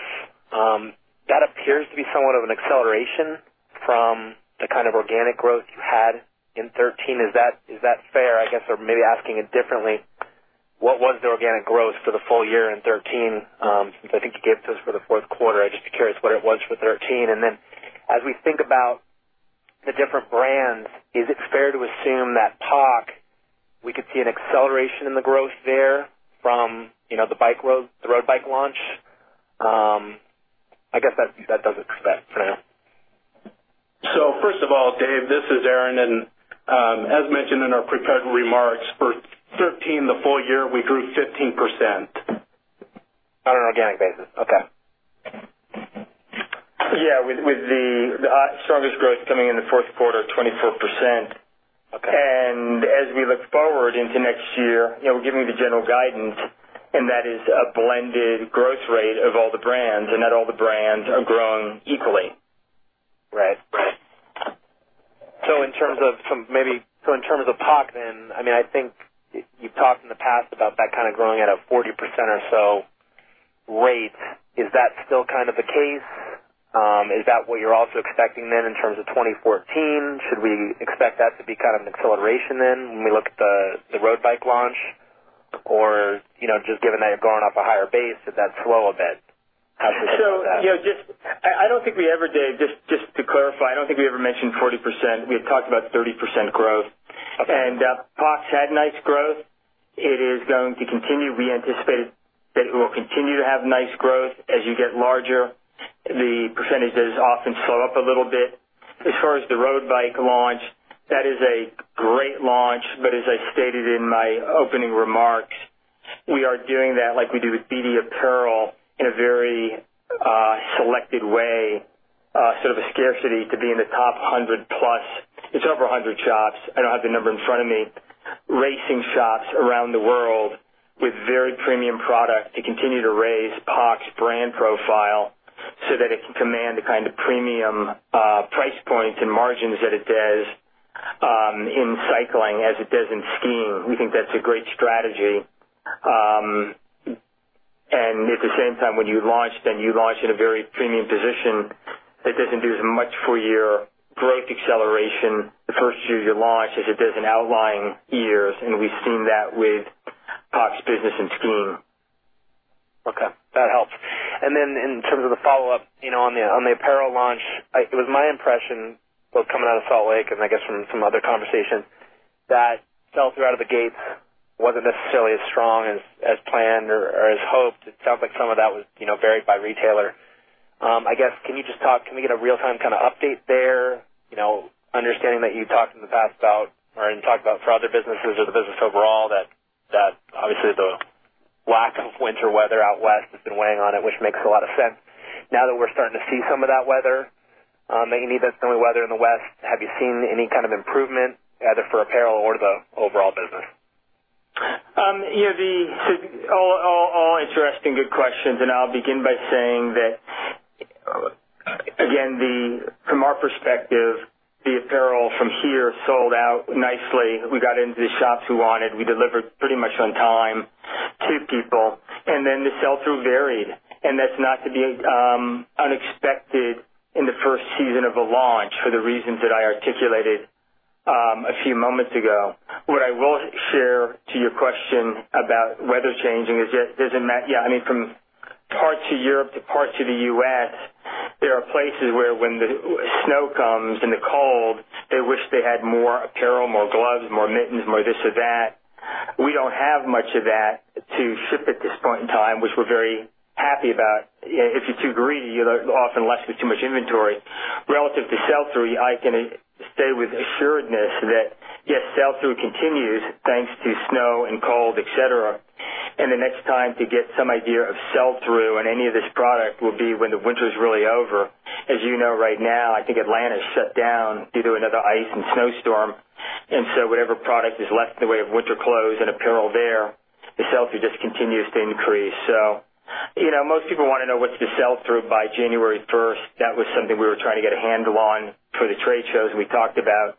that appears to be somewhat of an acceleration from the kind of organic growth you had in 2013. Is that fair? I guess, or maybe asking it differently, what was the organic growth for the full year in 2013? Since I think you gave it to us for the fourth quarter, I'm just curious what it was for 2013. As we think about the different brands, is it fair to assume that POC, we could see an acceleration in the growth there from the road bike launch? I guess that does expect for now. First of all, Dave, this is Aaron, As mentioned in our prepared remarks, for 2013, the full year, we grew 15%. On an organic basis. Okay. Yeah. With the strongest growth coming in the fourth quarter at 24%. Okay. As we look forward into next year, we're giving the general guidance, and that is a blended growth rate of all the brands, and not all the brands are growing equally. Right. In terms of POC, I think you've talked in the past about that kind of growing at a 40% or so rate. Is that still kind of the case? Is that what you're also expecting in terms of 2014? Should we expect that to be kind of an acceleration when we look at the road bike launch? Just given that you're growing off a higher base, did that slow a bit? How should we think about that? Just to clarify, I don't think we ever mentioned 40%. We had talked about 30% growth. Okay. POC's had nice growth. It is going to continue. We anticipate that it will continue to have nice growth. As you get larger, the percentages often slow up a little bit. As far as the road bike launch, that is a great launch, but as I stated in my opening remarks, we are doing that like we do with BD apparel in a very selected way, sort of a scarcity to be in the top 100 plus. It's over 100 shops. I don't have the number in front of me. Racing shops around the world with very premium product to continue to raise POC's brand profile so that it can command the kind of premium price points and margins that it does in cycling, as it does in skiing. We think that's a great strategy. At the same time, when you launch, you launch in a very premium position that doesn't do as much for your growth acceleration the first year you launch as it does in outlying years, and we've seen that with POC's business in skiing. Okay. That helps. In terms of the follow-up, on the apparel launch, it was my impression, both coming out of Salt Lake and I guess from some other conversation, that sell-through out of the gates wasn't necessarily as strong as planned or as hoped. It sounds like some of that varied by retailer. I guess, can we get a real-time kind of update there? Understanding that you've talked in the past about, or talked about for other businesses or the business overall, that obviously the lack of winter weather out West has been weighing on it, which makes a lot of sense. Now that we're starting to see some of that weather, maybe need that snowy weather in the West, have you seen any kind of improvement either for apparel or the overall business? All interesting, good questions, I'll begin by saying that again, from our perspective, the apparel from here sold out nicely. We got into the shops who wanted. We delivered pretty much on time to people, then the sell-through varied, and that's not to be unexpected in the first season of a launch for the reasons that I articulated a few moments ago. What I will share to your question about weather changing is just, isn't that, from parts of Europe to parts of the U.S., there are places where when the snow comes and the cold, they wish they had more apparel, more gloves, more mittens, more this or that. We don't have much of that to ship at this point in time, which we're very happy about. If you're too greedy, you're often left with too much inventory. Relative to sell-through, I can say with assuredness that, yes, sell-through continues thanks to snow and cold, et cetera. The next time to get some idea of sell-through on any of this product will be when the winter is really over. As you know, right now, I think Atlanta is shut down due to another ice and snowstorm. Whatever product is left in the way of winter clothes and apparel there, the sell-through just continues to increase. Most people want to know what's the sell-through by January 1st. That was something we were trying to get a handle on through the trade shows we talked about.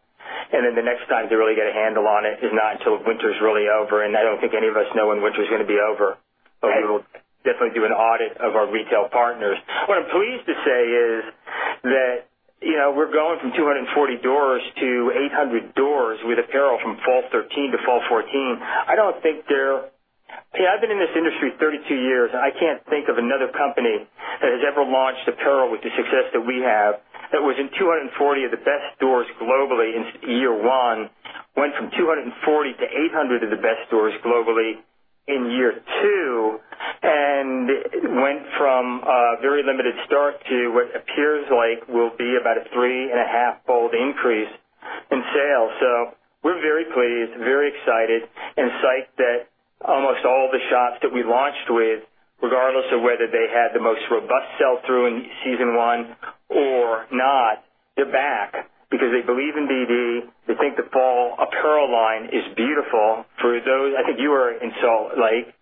The next time they really get a handle on it is not until winter's really over, and I don't think any of us know when winter's going to be over. We will definitely do an audit of our retail partners. What I'm pleased to say is that we're going from 240 doors to 800 doors with apparel from fall 2013 to fall 2014. I've been in this industry 32 years, I can't think of another company that has ever launched apparel with the success that we have. That was in 240 of the best stores globally in year one, went from 240 to 800 of the best stores globally in year two, and went from a very limited start to what appears like will be about a three and a half fold increase in sales. We're very pleased, very excited, and psyched that almost all the shops that we launched with, regardless of whether they had the most robust sell-through in season one or not, they're back because they believe in BD. They think the fall apparel line is beautiful. I think you were in Salt Lake.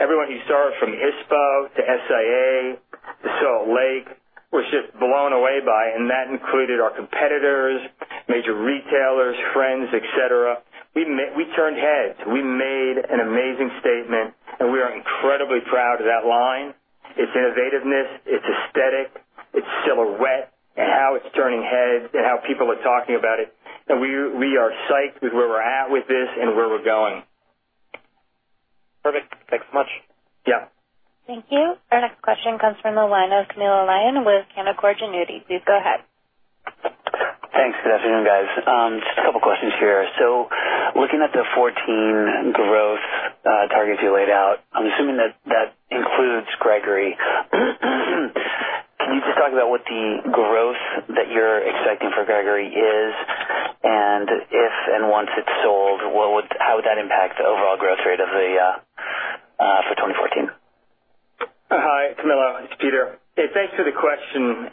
Everyone who saw it from ISPO to SIA to Salt Lake was just blown away by it. That included our competitors, major retailers, friends, et cetera. We turned heads. We made an amazing statement, and we are incredibly proud of that line, its innovativeness, its aesthetic, its silhouette, and how it's turning heads and how people are talking about it. We are psyched with where we're at with this and where we're going. Perfect. Thanks so much. Yeah. Thank you. Our next question comes from the line of Camilo Lyon with Canaccord Genuity. Please go ahead. Thanks. Good afternoon, guys. Just a couple questions here. Looking at the 2014 growth targets you laid out, I'm assuming that includes Gregory. Can you just talk about what the growth that you're expecting for Gregory is and if and once it's sold, how would that impact the overall growth rate for 2014? Hi, Camilo. It's Peter. Thanks for the question.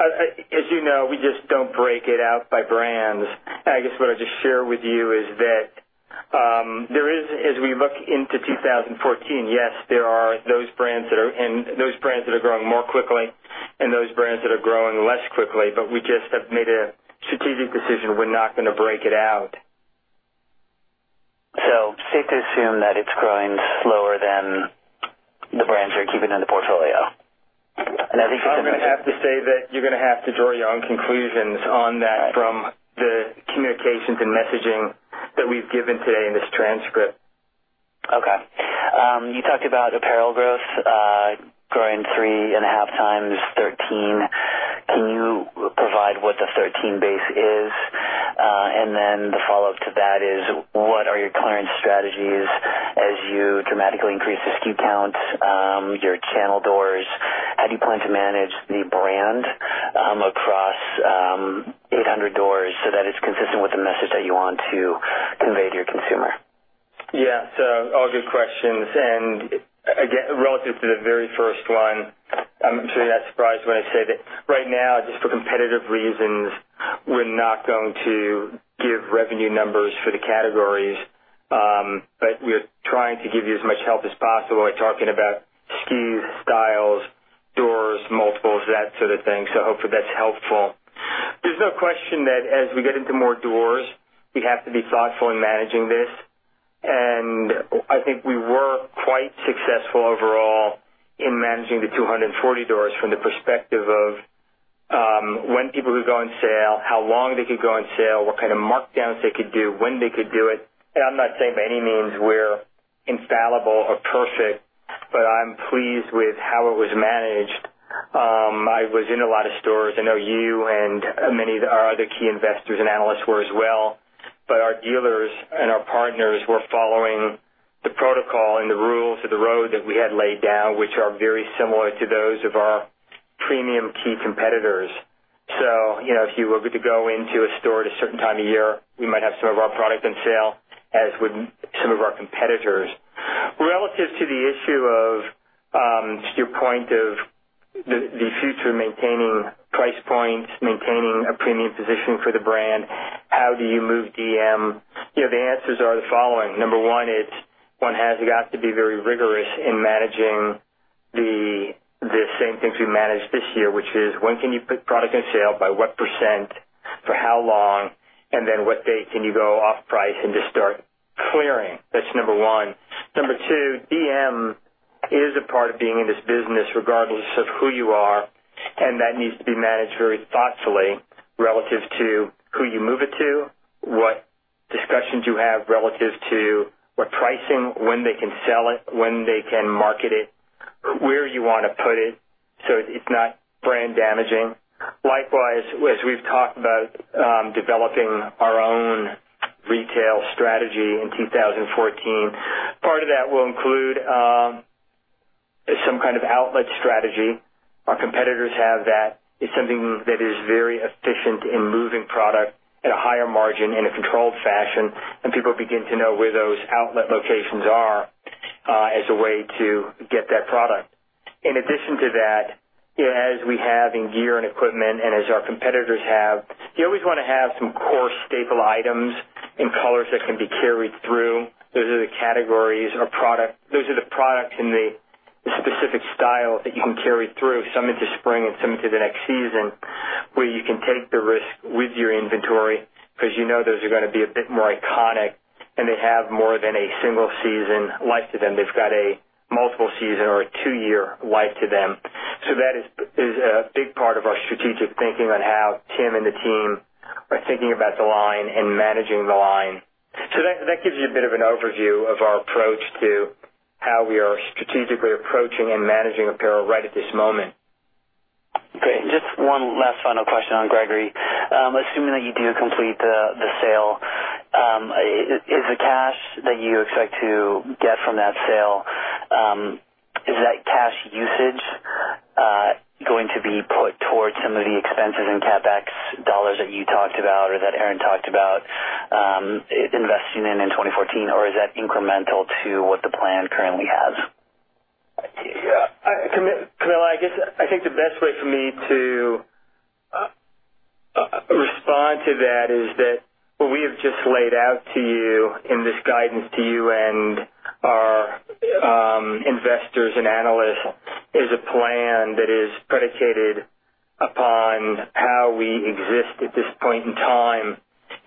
As you know, we just don't break it out by brands. I guess what I'll just share with you is that as we look into 2014, yes, there are those brands that are growing more quickly and those brands that are growing less quickly. We just have made a strategic decision. We're not going to break it out. Safe to assume that it's growing slower than the brands you're keeping in the portfolio. I'm going to have to say that you're going to have to draw your own conclusions on that from the communications and messaging that we've given today in this transcript. You talked about apparel growth growing three and a half times 2013. Can you provide what the 2013 base is? Then the follow-up to that is, what are your clearance strategies as you dramatically increase the SKU count, your channel doors? How do you plan to manage the brand across 800 doors so that it's consistent with the message that you want to convey to your consumer? All good questions and relative to the very first one, I'm sure you're not surprised when I say that right now, just for competitive reasons, we're not going to give revenue numbers for the categories. We are trying to give you as much help as possible by talking about SKUs, styles, doors, multiples, that sort of thing. Hopefully that's helpful. There's no question that as we get into more doors, we have to be thoughtful in managing this. I think we were quite successful overall in managing the 240 doors from the perspective of when people could go on sale, how long they could go on sale, what kind of markdowns they could do, when they could do it. I'm not saying by any means we're infallible or perfect, but I'm pleased with how it was managed. I was in a lot of stores. I know you and many of our other key investors and analysts were as well, but our dealers and our partners were following the protocol and the rules of the road that we had laid down, which are very similar to those of our premium key competitors. If you were to go into a store at a certain time of year, we might have some of our product on sale, as would some of our competitors. Relative to the issue of your point of the future, maintaining price points, maintaining a premium position for the brand, how do you move DM? The answers are the following. Number one has got to be very rigorous in managing the same things we managed this year, which is when can you put product on sale, by what %, for how long, and what date can you go off price and just start clearing? That's number one. Number two, DM is a part of being in this business regardless of who you are, and that needs to be managed very thoughtfully relative to who you move it to, what discussions you have relative to what pricing, when they can sell it, when they can market it, where you want to put it so it's not brand damaging. Likewise, as we've talked about developing our own retail strategy in 2014, part of that will include some kind of outlet strategy. Our competitors have that. It's something that is very efficient in moving product at a higher margin in a controlled fashion, and people begin to know where those outlet locations are as a way to get that product. In addition to that, as we have in gear and equipment and as our competitors have, you always want to have some core staple items and colors that can be carried through. Those are the categories or those are the products in the specific style that you can carry through, some into spring and some into the next season, where you can take the risk with your inventory because you know those are going to be a bit more iconic, and they have more than a single season life to them. They've got a multiple season or a two-year life to them. That is a big part of our strategic thinking on how Tim and the team are thinking about the line and managing the line. That gives you a bit of an overview of our approach to how we are strategically approaching and managing apparel right at this moment. Okay. Just one last final question on Gregory. Assuming that you do complete the sale, is the cash that you expect to get from that sale, is that cash usage going to be put towards some of the expenses and CapEx dollars that you talked about or that Aaron talked about investing in 2014 or is that incremental to what the plan currently has? Camilo, I guess, I think the best way for me to respond to that is that what we have just laid out to you in this guidance to you and our investors and analysts is a plan that is predicated upon how we exist at this point in time.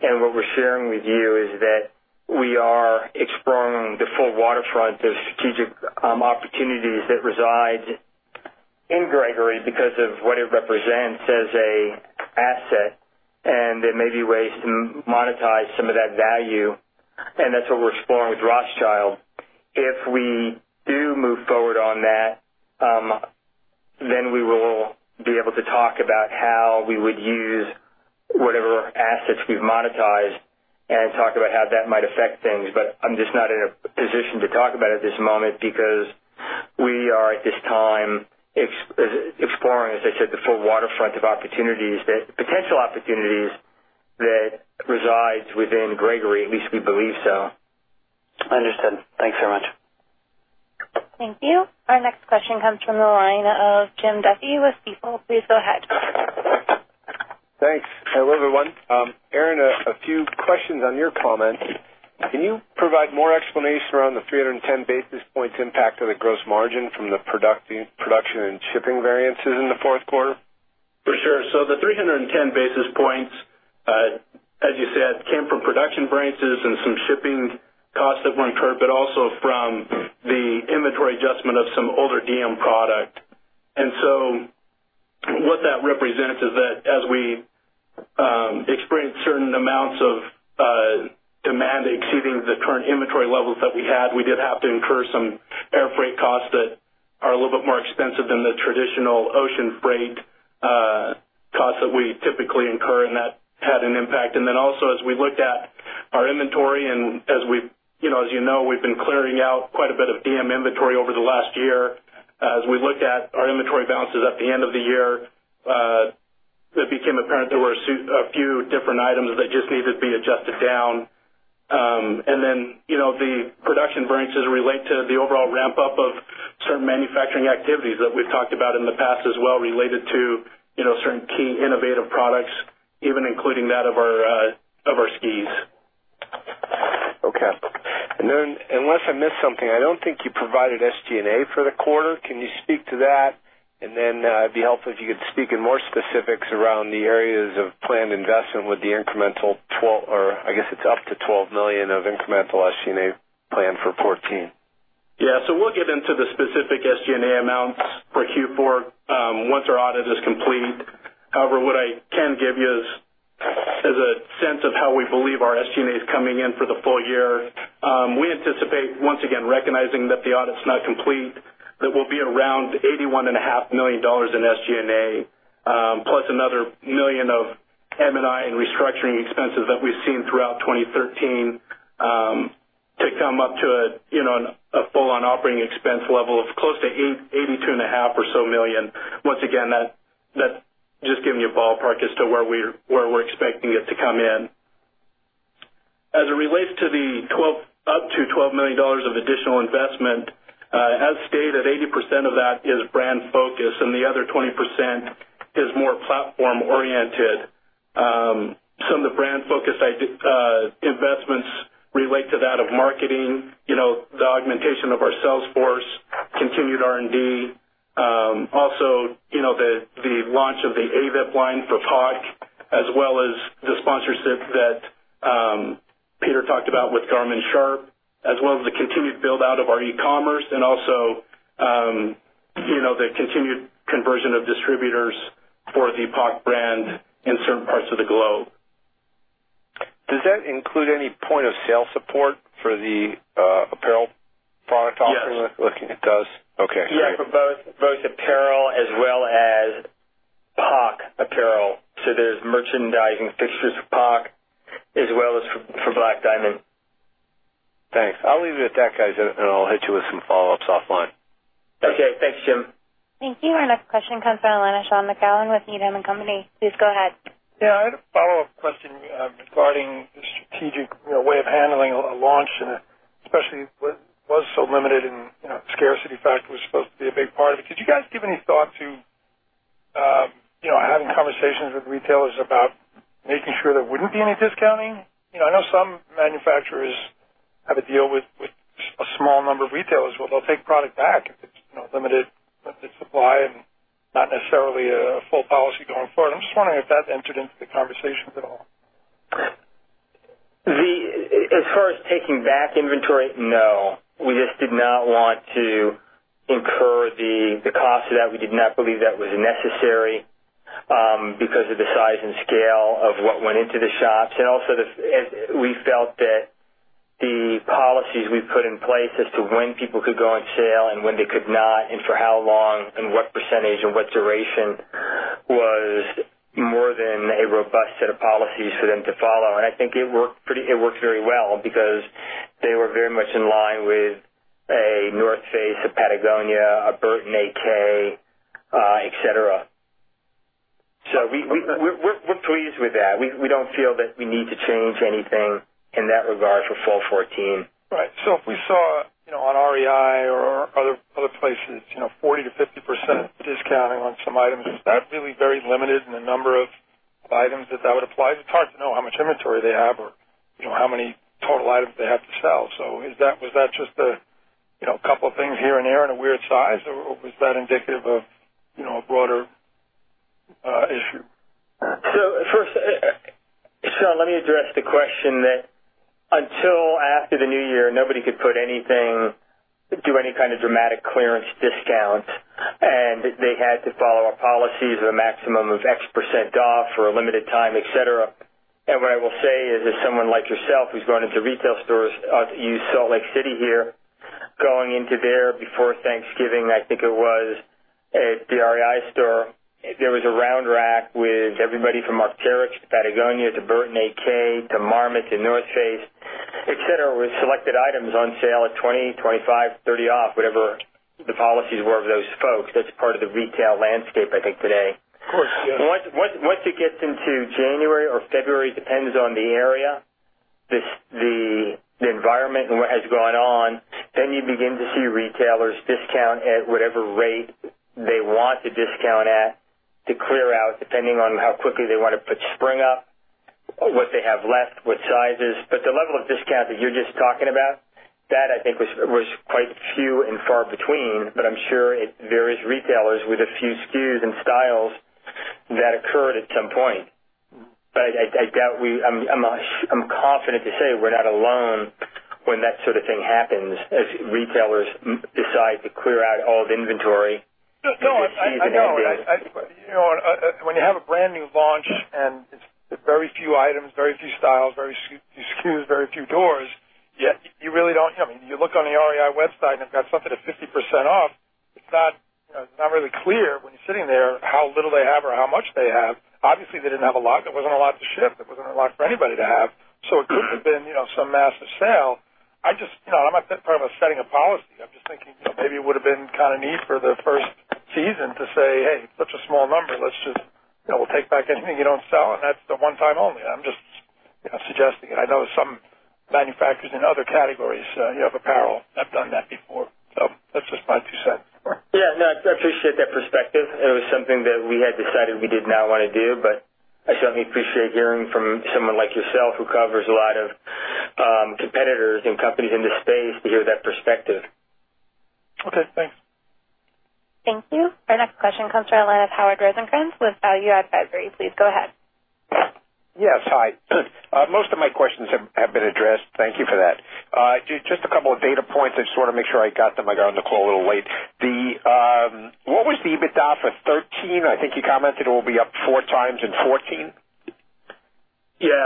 What we're sharing with you is that we are exploring the full waterfront of strategic opportunities that reside in Gregory because of what it represents as an asset, and there may be ways to monetize some of that value. That's what we're exploring with Rothschild. If we do move forward on that, we will be able to talk about how we would use whatever assets we've monetized and talk about how that might affect things. I am just not in a position to talk about it at this moment because we are, at this time, exploring, as I said, the full waterfront of potential opportunities that reside within Gregory, at least we believe so. Understood. Thanks very much. Thank you. Our next question comes from the line of Jim Duffy with Stifel. Please go ahead. Thanks. Hello, everyone. Aaron, a few questions on your comments. Can you provide more explanation around the 310 basis points impact of the gross margin from the production and shipping variances in the fourth quarter? For sure. The 310 basis points, as you said, came from production variances and some shipping costs that were incurred, but also from the inventory adjustment of some older BD product. What that represents is that as we experience certain amounts of demand exceeding the current inventory levels that we had, we did have to incur some air freight costs that are a little bit more expensive than the traditional ocean freight costs that we typically incur, and that had an impact. Also as we looked at our inventory and as you know, we've been clearing out quite a bit of BD inventory over the last year. As we looked at our inventory balances at the end of the year, it became apparent there were a few different items that just needed to be adjusted down. The production variances relate to the overall ramp-up of certain manufacturing activities that we've talked about in the past as well related to certain key innovative products, even including that of our skis. Okay. Unless I missed something, I don't think you provided SG&A for the quarter. Can you speak to that? It'd be helpful if you could speak in more specifics around the areas of planned investment with the incremental 12, or I guess it's up to $12 million of incremental SG&A planned for 2014. Yeah. We'll get into the specific SG&A amounts for Q4 once our audit is complete. However, what I can give you is a sense of how we believe our SG&A is coming in for the full year. We anticipate, once again, recognizing that the audit's not complete, that we'll be around $81.5 million in SG&A, plus another $1 million of M&A and restructuring expenses that we've seen throughout 2013, to come up to a full on operating expense level of close to $82.5 million. Once again, that's just giving you a ballpark as to where we're expecting it to come in. As it relates to the up to $12 million of additional investment, as stated, 80% of that is brand focused and the other 20% is more platform oriented. Some of the brand-focused investments relate to that of marketing, the augmentation of our sales force, continued R&D. Also, the launch of the AVIP line for POC, as well as the sponsorship that Peter talked about with Garmin-Sharp, as well as the continued build-out of our e-commerce and also the continued conversion of distributors for the POC brand in certain parts of the globe. Does that include any point-of-sale support for the apparel product offering? Yes. It does? Okay. Yeah, for both apparel as well as POC apparel. There's merchandising fixtures for POC as well as for Black Diamond. Thanks. I'll leave it at that, guys, and I'll hit you with some follow-ups offline. Okay. Thanks, Jim. Thank you. Our next question comes from the line of Sean McGowan with Needham & Company. Please go ahead. Yeah. I had a follow-up question regarding the strategic way of handling a launch, and especially what was so limited and scarcity factor was supposed to be a big part of it. Did you guys give any thought to conversations with retailers about making sure there wouldn't be any discounting. I know some manufacturers have a deal with a small number of retailers where they'll take product back if it's limited supply and not necessarily a full policy going forward. I'm just wondering if that entered into the conversations at all. As far as taking back inventory, no. We just did not want to incur the cost of that. We did not believe that was necessary because of the size and scale of what went into the shops. Also, we felt that the policies we put in place as to when people could go on sale and when they could not, and for how long and what percentage or what duration, was more than a robust set of policies for them to follow. I think it worked very well because they were very much in line with a The North Face, a Patagonia, a Burton [ak], et cetera. We're pleased with that. We don't feel that we need to change anything in that regard for fall 2014. Right. If we saw on REI or other places, 40%-50% discounting on some items, is that really very limited in the number of items that that would apply to? It's hard to know how much inventory they have or how many total items they have to sell. Was that just a couple of things here and there in a weird size, or was that indicative of a broader issue? First, Sean, let me address the question that until after the new year, nobody could put anything, do any kind of dramatic clearance discount, and they had to follow our policies of a maximum of X% off for a limited time, et cetera. What I will say is, as someone like yourself who's gone into retail stores, I'll use Salt Lake City here. Going into there before Thanksgiving, I think it was a REI store. There was a round rack with everybody from Arc'teryx to Patagonia to Burton [ak] to Marmot to The North Face, et cetera, with selected items on sale at 20%, 25%, 30% off, whatever the policies were of those folks. That's part of the retail landscape, I think, today. Of course, yes. Once it gets into January or February, depends on the area, the environment and what has gone on, then you begin to see retailers discount at whatever rate they want to discount at to clear out, depending on how quickly they want to put spring up, what they have left, what sizes. The level of discount that you're just talking about, that I think was quite few and far between, but I'm sure at various retailers with a few SKUs and styles, that occurred at some point. I'm confident to say we're not alone when that sort of thing happens, as retailers decide to clear out all the inventory. No, I know. When you have a brand new launch and it's very few items, very few styles, very few SKUs, very few doors, you look on the REI website and they've got something at 50% off. It's not really clear when you're sitting there how little they have or how much they have. Obviously, they didn't have a lot. There wasn't a lot to ship. There wasn't a lot for anybody to have. It couldn't have been some massive sale. I'm not part of a setting a policy. I'm just thinking maybe it would have been kind of neat for the first season to say, "Hey, such a small number, we'll take back anything you don't sell, and that's the one time only." I'm just suggesting it. I know some manufacturers in other categories of apparel have done that before. That's just my two cents. Yeah, no, I appreciate that perspective. It was something that we had decided we did not want to do, I certainly appreciate hearing from someone like yourself who covers a lot of competitors and companies in this space to hear that perspective. Okay, thanks. Thank you. Our next question comes from the line of Howard Rosenkrantz with UI Advisory. Please go ahead. Yes, hi. Most of my questions have been addressed. Thank you for that. Just a couple of data points. I just want to make sure I got them. I got on the call a little late. What was the EBITDA for 2013? I think you commented it will be up 4 times in 2014. Yeah.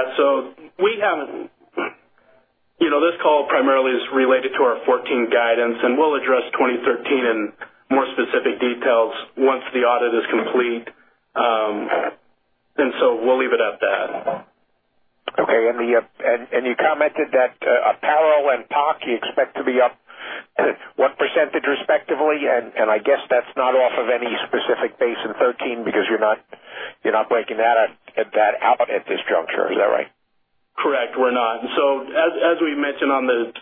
This call primarily is related to our 2014 guidance, and we'll address 2013 in more specific details once the audit is complete. We'll leave it at that. Okay. You commented that apparel and POC, you expect to be up what % respectively, and I guess that's not off of any specific base in 2013 because you're not breaking that out at this juncture. Is that right? Correct, we're not. As we mentioned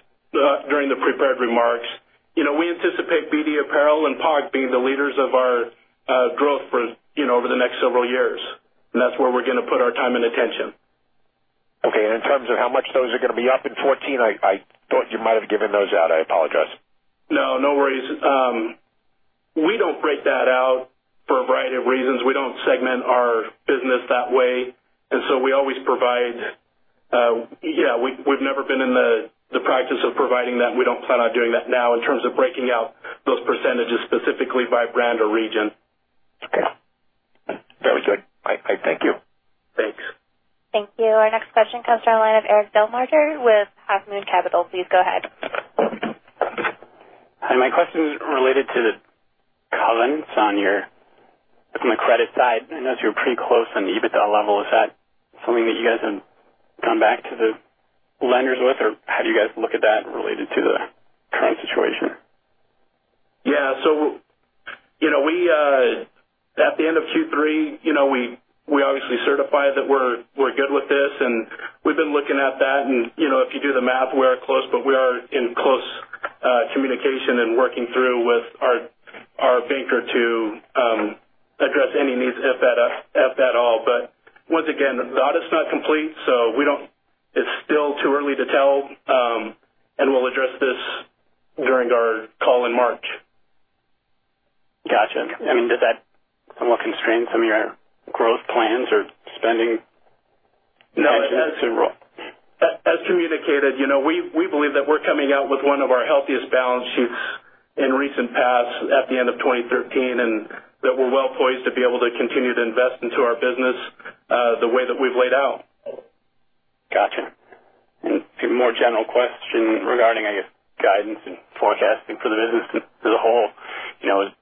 during the prepared remarks, we anticipate BD Apparel and POC being the leaders of our growth over the next several years, and that's where we're going to put our time and attention. Okay, in terms of how much those are going to be up in 2014, I thought you might have given those out. I apologize. No, no worries. We don't break that out for a variety of reasons. We don't segment our business that way. We've never been in the practice of providing that, and we don't plan on doing that now in terms of breaking out those percentages specifically by brand or region. Okay. That was it. All right. Thank you. Thanks. Thank you. Our next question comes from the line of Eric Desrosiers with Half Moon Capital. Please go ahead. Hi, my question is related to the covenants from the credit side. I know you're pretty close on the EBITDA level. Is that something that you guys have gone back to the lenders with, or how do you guys look at that related to the current situation? Yeah. At the end of Q3, we obviously certified that we're good with this, and we've been looking at that. If you do the math, we are close, but we are in close Communication and working through with our banker to address any needs, if at all. Once again, the audit's not complete, so it's still too early to tell, and we'll address this during our call in March. Got you. Does that somewhat constrain some of your growth plans or spending? No. As communicated, we believe that we're coming out with one of our healthiest balance sheets in recent past at the end of 2013, and that we're well-poised to be able to continue to invest into our business the way that we've laid out. Got you. A few more general questions regarding, I guess, guidance and forecasting for the business as a whole. I think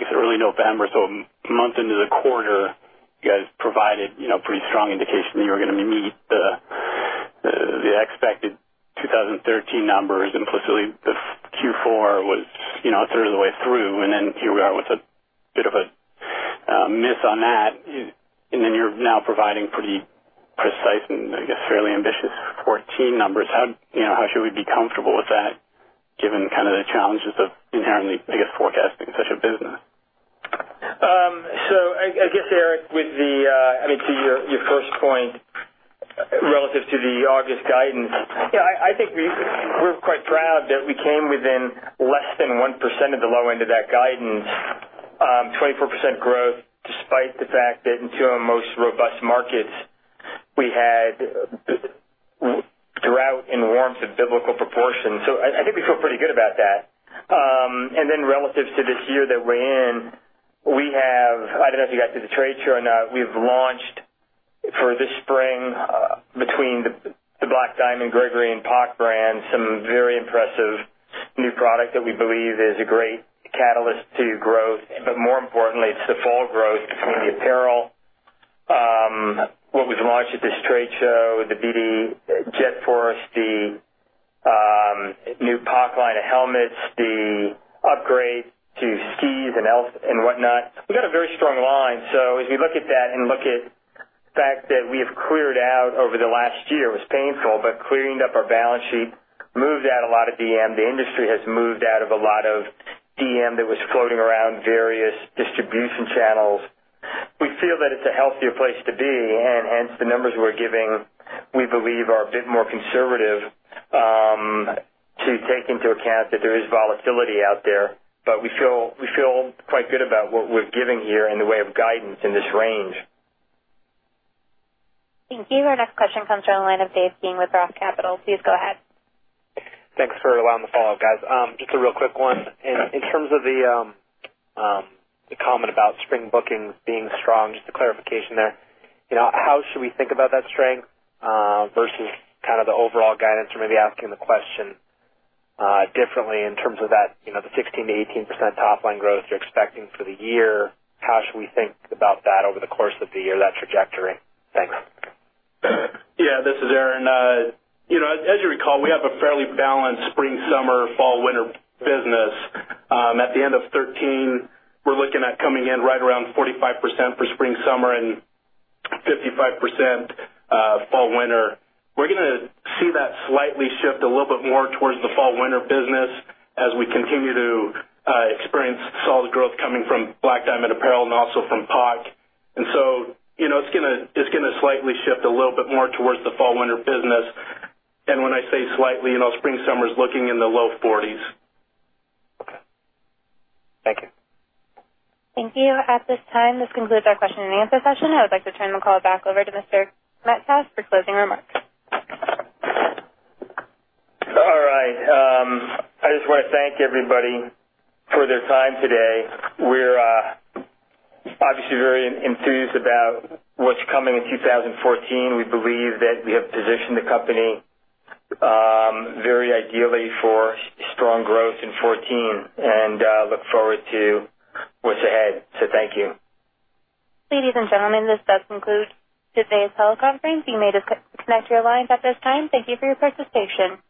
it's early November, so a month into the quarter, you guys provided pretty strong indication that you were going to meet the expected 2013 numbers. Implicitly, the Q4 was sort of the way through, here we are with a bit of a miss on that. You're now providing pretty precise and, I guess, fairly ambitious 2014 numbers. How should we be comfortable with that, given the challenges of inherently, I guess, forecasting such a business? I guess, Eric, to your first point, relative to the August guidance, I think we're quite proud that we came within less than 1% of the low end of that guidance. 24% growth, despite the fact that in two of our most robust markets, we had drought and warmth of biblical proportions. I think we feel pretty good about that. Relative to this year that we're in, I don't know if you guys did the trade show or not, we've launched for this spring, between the Black Diamond, Gregory, and POC brands, some very impressive new product that we believe is a great catalyst to growth. More importantly, it's the fall growth between the apparel, what was launched at this trade show, the BD JetForce, the new POC line of helmets, the upgrade to skis and whatnot. We got a very strong line. As we look at that and look at the fact that we have cleared out over the last year. It was painful, but clearing up our balance sheet, moved out a lot of DM. The industry has moved out of a lot of DM that was floating around various distribution channels. We feel that it's a healthier place to be, and hence the numbers we're giving, we believe, are a bit more conservative to take into account that there is volatility out there. We feel quite good about what we're giving here in the way of guidance in this range. Thank you. Our next question comes from the line of Dave King with Roth Capital. Please go ahead. Thanks for allowing the follow-up, guys. Just a real quick one. In terms of the comment about spring bookings being strong, just a clarification there. How should we think about that strength versus the overall guidance? Or maybe asking the question differently in terms of the 16%-18% top-line growth you're expecting for the year. How should we think about that over the course of the year, that trajectory? Thanks. This is Aaron. As you recall, we have a fairly balanced spring, summer, fall, winter business. At the end of 2013, we're looking at coming in right around 45% for spring, summer, and 55% fall, winter. We're going to see that slightly shift a little bit more towards the fall, winter business as we continue to experience solid growth coming from Black Diamond Apparel and also from POC. It's going to slightly shift a little bit more towards the fall, winter business. When I say slightly, spring, summer is looking in the low 40s. Okay. Thank you. Thank you. At this time, this concludes our question and answer session. I would like to turn the call back over to Mr. Metcalf for closing remarks. All right. I just want to thank everybody for their time today. We're obviously very enthused about what's coming in 2014. We believe that we have positioned the company very ideally for strong growth in 2014, and look forward to what's ahead. Thank you. Ladies and gentlemen, this does conclude today's teleconference. You may disconnect your lines at this time. Thank you for your participation.